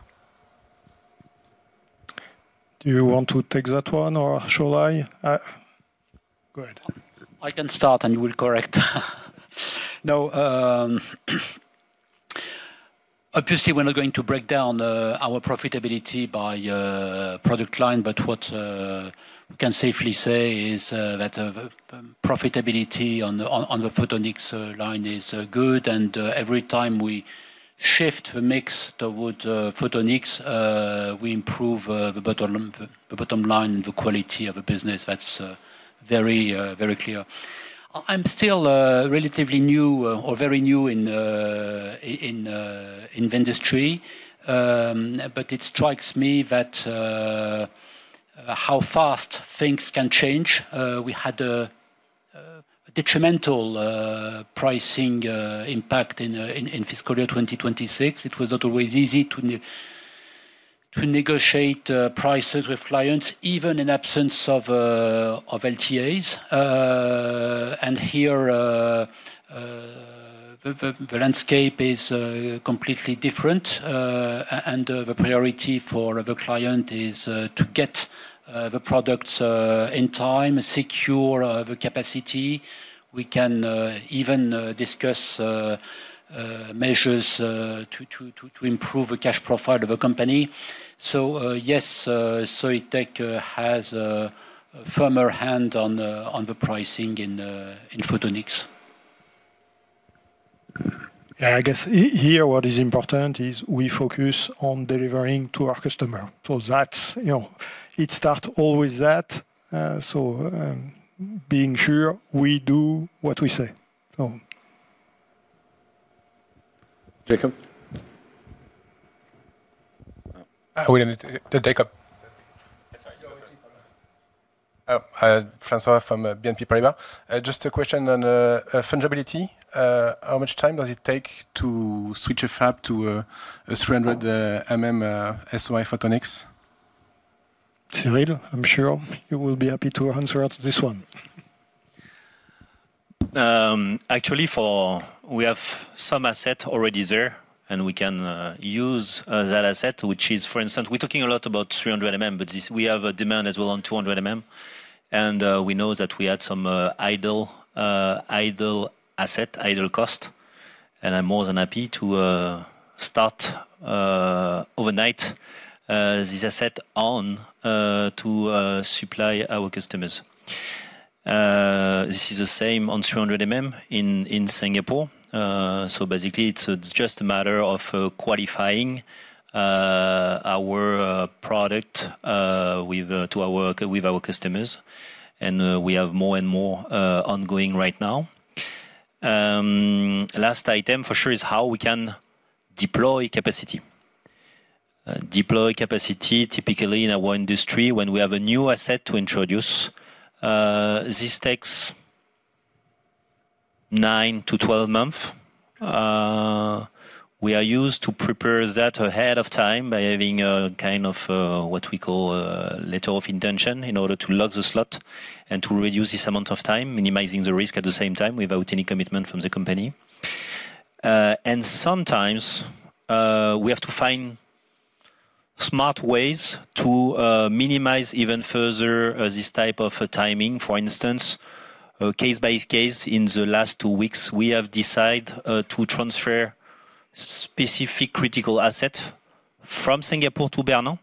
Do you want to take that one, or shall I? Go ahead. I can start, you will correct. Obviously, we're not going to break down our profitability by product line, what we can safely say is that profitability on the Photonics line is good, every time we shift the mix toward Photonics, we improve the bottom line, the quality of the business. That's very clear. I'm still relatively new or very new in the industry, it strikes me how fast things can change. We had a detrimental pricing impact in fiscal year 2026. It was not always easy to negotiate prices with clients, even in absence of LTAs. The landscape is completely different, and the priority for the client is to get the products in time, secure the capacity. We can even discuss measures to improve the cash profile of a company. Yes, Soitec has a firmer hand on the pricing in photonics. Yeah, I guess here what is important is we focus on delivering to our customer. It starts always that, so being sure we do what we say. Jakob? I will need to, Jakob. That's all right. François from BNP Paribas. Just a question on fungibility. How much time does it take to switch a fab to a 300 mm SOI Photonics? Cyril, I'm sure you will be happy to answer this one. Actually, we have some asset already there, and we can use that asset, which is, for instance, we're talking a lot about 300 mm, but we have a demand as well on 200 mm, and we know that we had some idle asset, idle cost, and I'm more than happy to start overnight this asset on to supply our customers. This is the same on 300 mm in Singapore. Basically, it's just a matter of qualifying our product with our customers, and we have more and more ongoing right now. Last item for sure is how we can deploy capacity. Deploy capacity, typically in our industry, when we have a new asset to introduce, this takes 9-12 months. We are used to prepare that ahead of time by having a kind of what we call a letter of intention in order to lock the slot and to reduce this amount of time, minimizing the risk at the same time without any commitment from the company. Sometimes we have to find smart ways to minimize even further this type of timing. For instance, case by case, in the last two weeks, we have decided to transfer specific critical asset from Singapore to Bernin,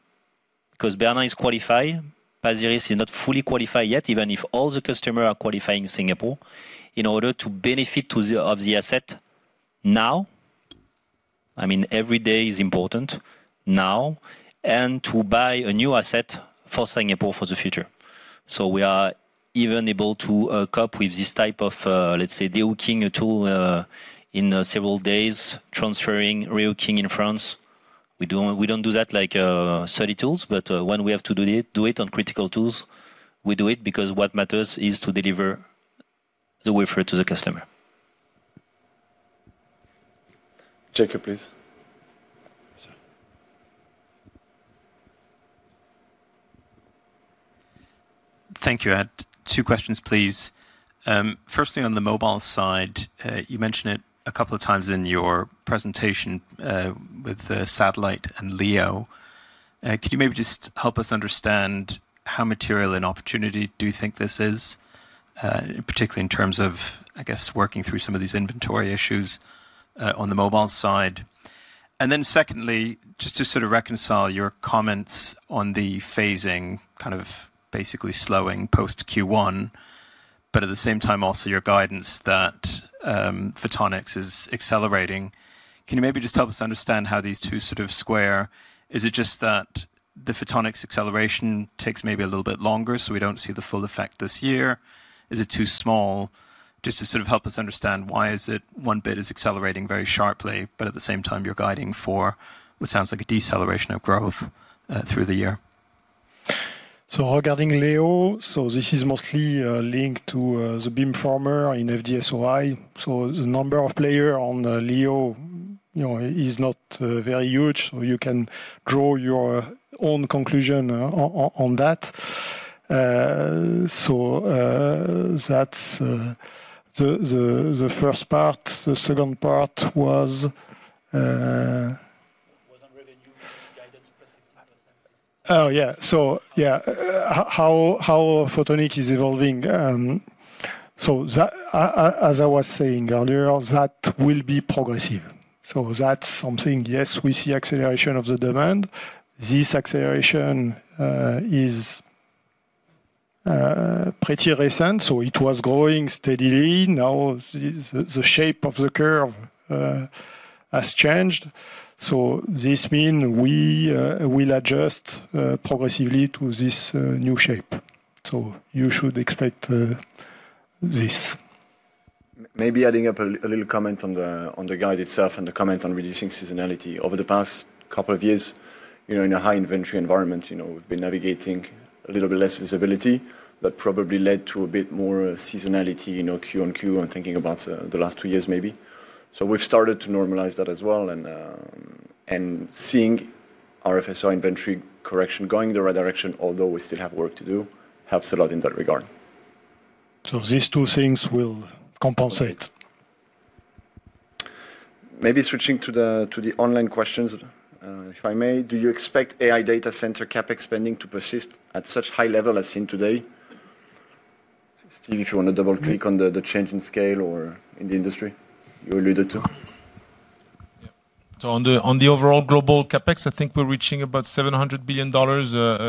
because Bernin is qualified. Pasir Ris is not fully qualified yet, even if all the customers are qualifying Singapore, in order to benefit of the asset now, every day is important now, and to buy a new asset for Singapore for the future. We are even able to cope with this type of, let's say, [de-risking] a tool in several days, transferring [re-eking] in France. We don't do that like 30 tools, but when we have to do it on critical tools, we do it because what matters is to deliver the wafer to the customer. Jakob, please. Thank you. I had two questions, please. Firstly, on the mobile side, you mentioned it a couple of times in your presentation with the satellite and LEO. Could you maybe just help us understand how material an opportunity do you think this is, particularly in terms of, I guess, working through some of these inventory issues on the mobile side? Secondly, just to sort of reconcile your comments on the phasing kind of basically slowing post Q1, but at the same time also your guidance that photonics is accelerating. Can you maybe just help us understand how these two sort of square? Is it just that the photonics acceleration takes maybe a little bit longer, so we don't see the full effect this year? Is it too small? Just to sort of help us understand why is it EBIT is accelerating very sharply, but at the same time you're guiding for what sounds like a deceleration of growth through the year? Regarding LEO, so this is mostly linked to the beam former in FD-SOI. The number of players on LEO is not very huge, so you can draw your own conclusion on that. That's the first part. Wasn't really new guidance bu-t Oh, yeah. How photonic is evolving. As I was saying earlier, that will be progressive. That's something, yes, we see acceleration of the demand. This acceleration is pretty recent, so it was growing steadily. Now the shape of the curve has changed. This mean we will adjust progressively to this new shape. You should expect this. Maybe adding up a little comment on the guide itself and the comment on reducing seasonality. Over the past couple of years, in a high inventory environment, we've been navigating a little bit less visibility, that probably led to a bit more seasonality, Q on Q, I'm thinking about the last two years, maybe. We've started to normalize that as well and seeing our FD-SOI inventory correction going the right direction, although we still have work to do, helps a lot in that regard. These two things will compensate. Maybe switching to the online questions, if I may. Do you expect AI data center CapEx spending to persist at such high level as seen today? Steve, if you want to double-click on the change in scale or in the industry you alluded to. Yeah. On the overall global CapEx, I think we're reaching about EUR 700 billion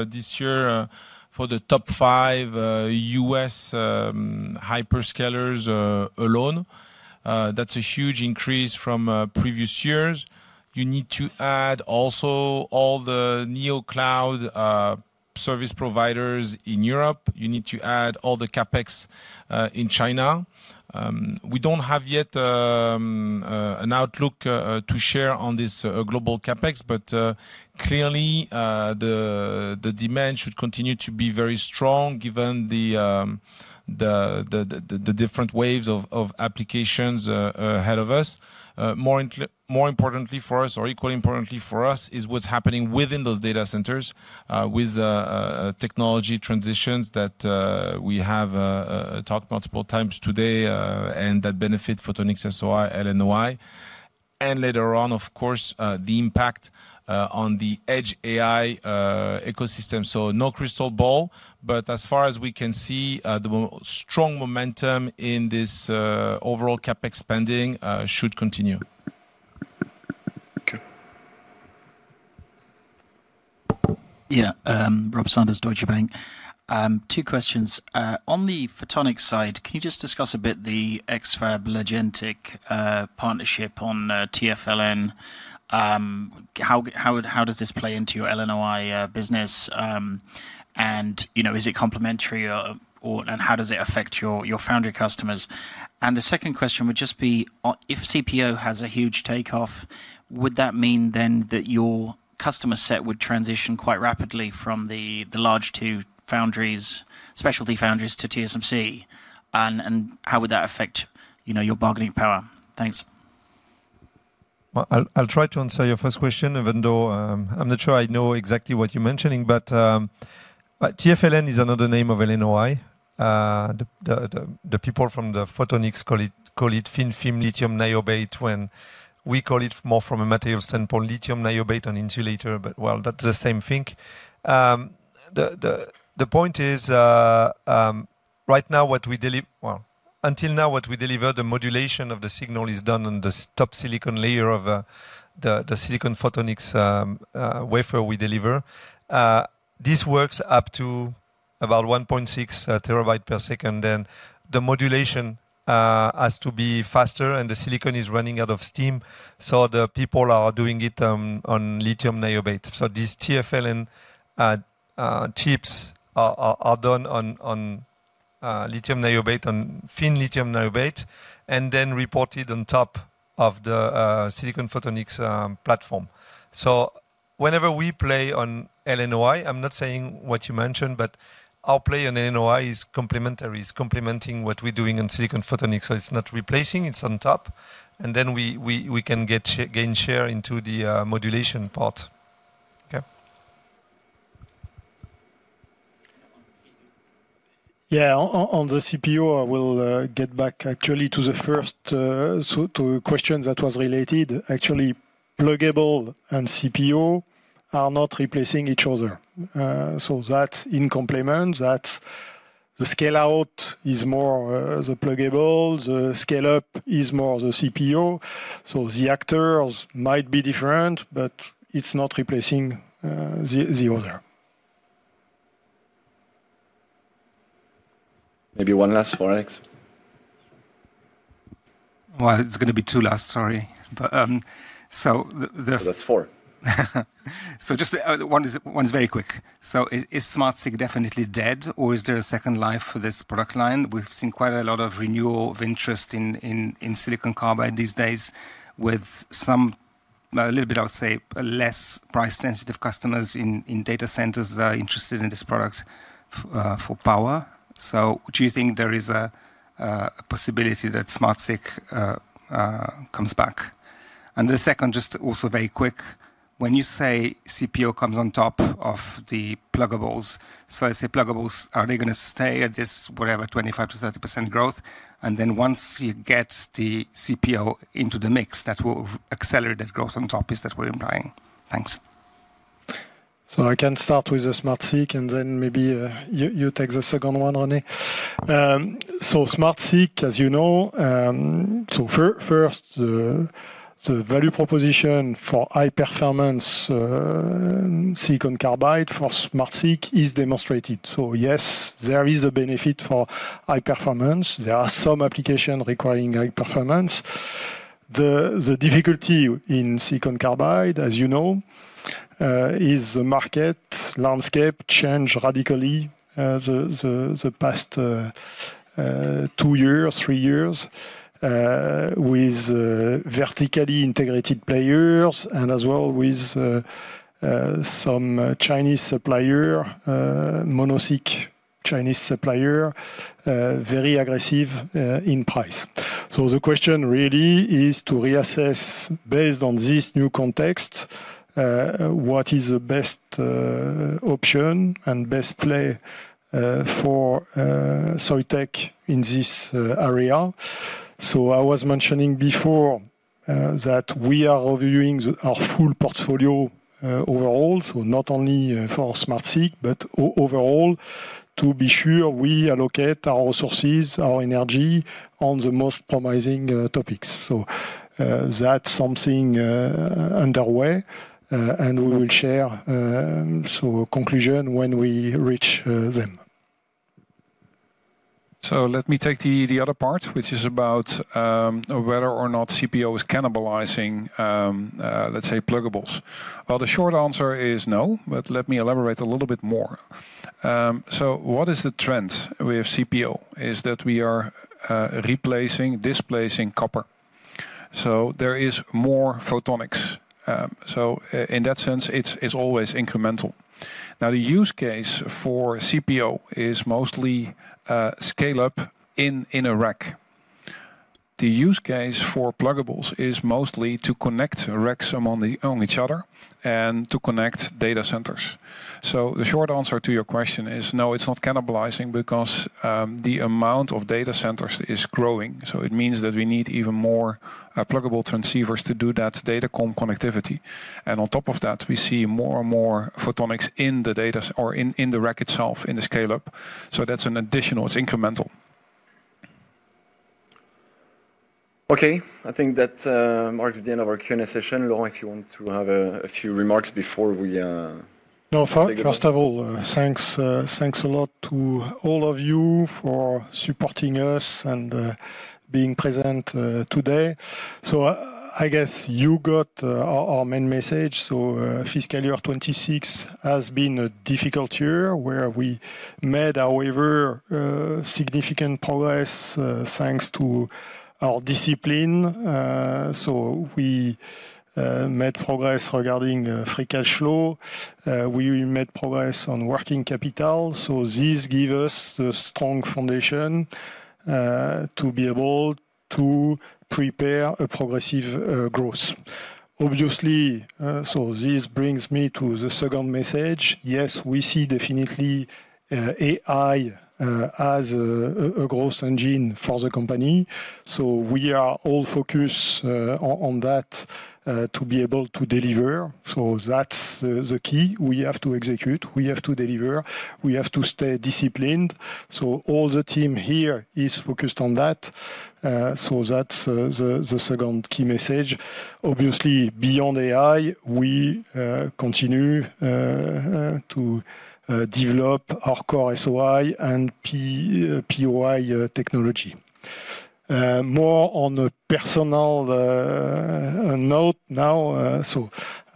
this year for the top five U.S. hyperscalers alone. That's a huge increase from previous years. You need to add also all the neo cloud service providers in Europe. You need to add all the CapEx in China. We don't have yet an outlook to share on this global CapEx, clearly, the demand should continue to be very strong given the different waves of applications ahead of us. More importantly for us, or equally importantly for us, is what's happening within those data centers, with technology transitions that we have talked multiple times today, and that benefit photonics, SOI, LNOI, and later on, of course, the impact on the Edge AI ecosystem. No crystal ball, as far as we can see, the strong momentum in this overall CapEx spending should continue. Okay. Yeah. Robert Sanders, Deutsche Bank. Two questions. On the photonics side, can you just discuss a bit the X-FAB and LIGENTEC partnership on TFLN? How does this play into your LNOI business? Is it complementary? How does it affect your foundry customers? The second question would just be, if CPO has a huge takeoff, would that mean then that your customer set would transition quite rapidly from the large two foundries, specialty foundries to TSMC? How would that affect your bargaining power? Thanks. I'll try to answer your first question, even though I'm not sure I know exactly what you're mentioning. TFLN is another name of LNOI. The people from the photonics call it thin film lithium niobate when we call it more from a materials standpoint, lithium niobate on insulator. That's the same thing. The point is, right now what we deliver, until now what we deliver, the modulation of the signal is done on the top silicon layer of the silicon photonics wafer we deliver. This works up to about 1.6 TB per second. The modulation has to be faster, and the silicon is running out of steam, so the people are doing it on lithium niobate. This TFLN chips are done on lithium niobate, on thin lithium niobate, and then reported on top of the silicon photonics platform. Whenever we play on LNOI, I'm not saying what you mentioned, but our play on LNOI is complementary. It's complementing what we're doing on silicon photonics. It's not replacing, it's on top. Then we can gain share into the modulation part. Okay? On the CPO. Yeah, on the CPO, I will get back actually to the first question that was related. Actually, pluggable and CPO are not replacing each other. That's in complement, that's the scale out is more the pluggable, the scale-up is more the CPO. The actors might be different, but it's not replacing the other. Maybe one last for Alex. Well, it's going to be two last, sorry. That's four. Just one is very quick. Is SmartSiC definitely dead, or is there a second life for this product line? We've seen quite a lot of renewal of interest in silicon carbide these days with some, a little bit, I would say, less price-sensitive customers in data centers that are interested in this product for power. Do you think there is a possibility that SmartSiC comes back? The second, just also very quick. When you say CPO comes on top of the pluggables, so I say pluggables, are they going to stay at this, whatever, 25%-30% growth, and then once you get the CPO into the mix, that will accelerate that growth on top? Is that what you're implying? Thanks. I can start with the SmartSiC, and then maybe you take the second one, René. SmartSiC, as you know, so first, the value proposition for high-performance silicon carbide for SmartSiC is demonstrated. Yes, there is a benefit for high performance. There are some applications requiring high performance. The difficulty in silicon carbide, as you know, is the market landscape changed radically the past two years, three years, with vertically integrated players and as well with some Chinese suppliers, mono-SiC. Chinese supplier, very aggressive in price. The question really is to reassess, based on this new context, what is the best option and best play for Soitec in this area. I was mentioning before that we are reviewing our full portfolio overall, not only for SmartSiC, but overall to be sure we allocate our resources, our energy on the most promising topics. That's something underway, and we will share conclusion when we reach them. Let me take the other part, which is about whether or not CPO is cannibalizing, let's say, pluggables. The short answer is no but let me elaborate a little bit more. What is the trend with CPO? Is that we are replacing, displacing copper. There is more photonics. In that sense, it's always incremental. The use case for CPO is mostly scale-up in a rack. The use case for pluggables is mostly to connect racks among each other and to connect data centers. The short answer to your question is no, it's not cannibalizing because the amount of data centers is growing. It means that we need even more pluggable transceivers to do that datacom connectivity, and on top of that, we see more and more photonics in the rack itself, in the scale-up. That's an additional, it's incremental. Okay. I think that marks the end of our Q&A session. Laurent, if you want to have a few remarks before we- First of all, thanks a lot to all of you for supporting us and being present today. I guess you got our main message. Fiscal year 2026 has been a difficult year, where we made, however, significant progress thanks to our discipline. We made progress regarding free cash flow. We made progress on working capital. This give us the strong foundation to be able to prepare a progressive growth. Obviously, this brings me to the second message. Yes, we see definitely AI as a growth engine for the company. We are all focused on that to be able to deliver. That's the key. We have to execute, we have to deliver, we have to stay disciplined. All the team here is focused on that. That's the second key message. Obviously, beyond AI, we continue to develop our core SOI and POI technology. More on a personal note now.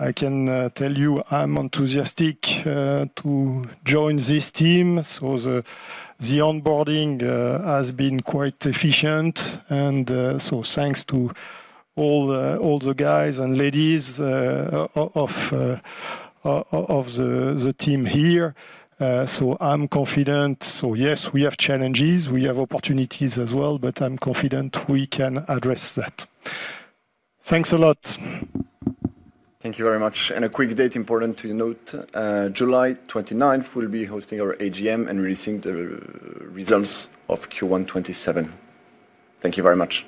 I can tell you I'm enthusiastic to join this team. The onboarding has been quite efficient, and so thanks to all the guys and ladies of the team here. I'm confident. Yes, we have challenges, we have opportunities as well, but I'm confident we can address that. Thanks a lot. Thank you very much. A quick date important to note, July 29th, 2027, we'll be hosting our AGM and releasing the results of Q1 2027. Thank you very much.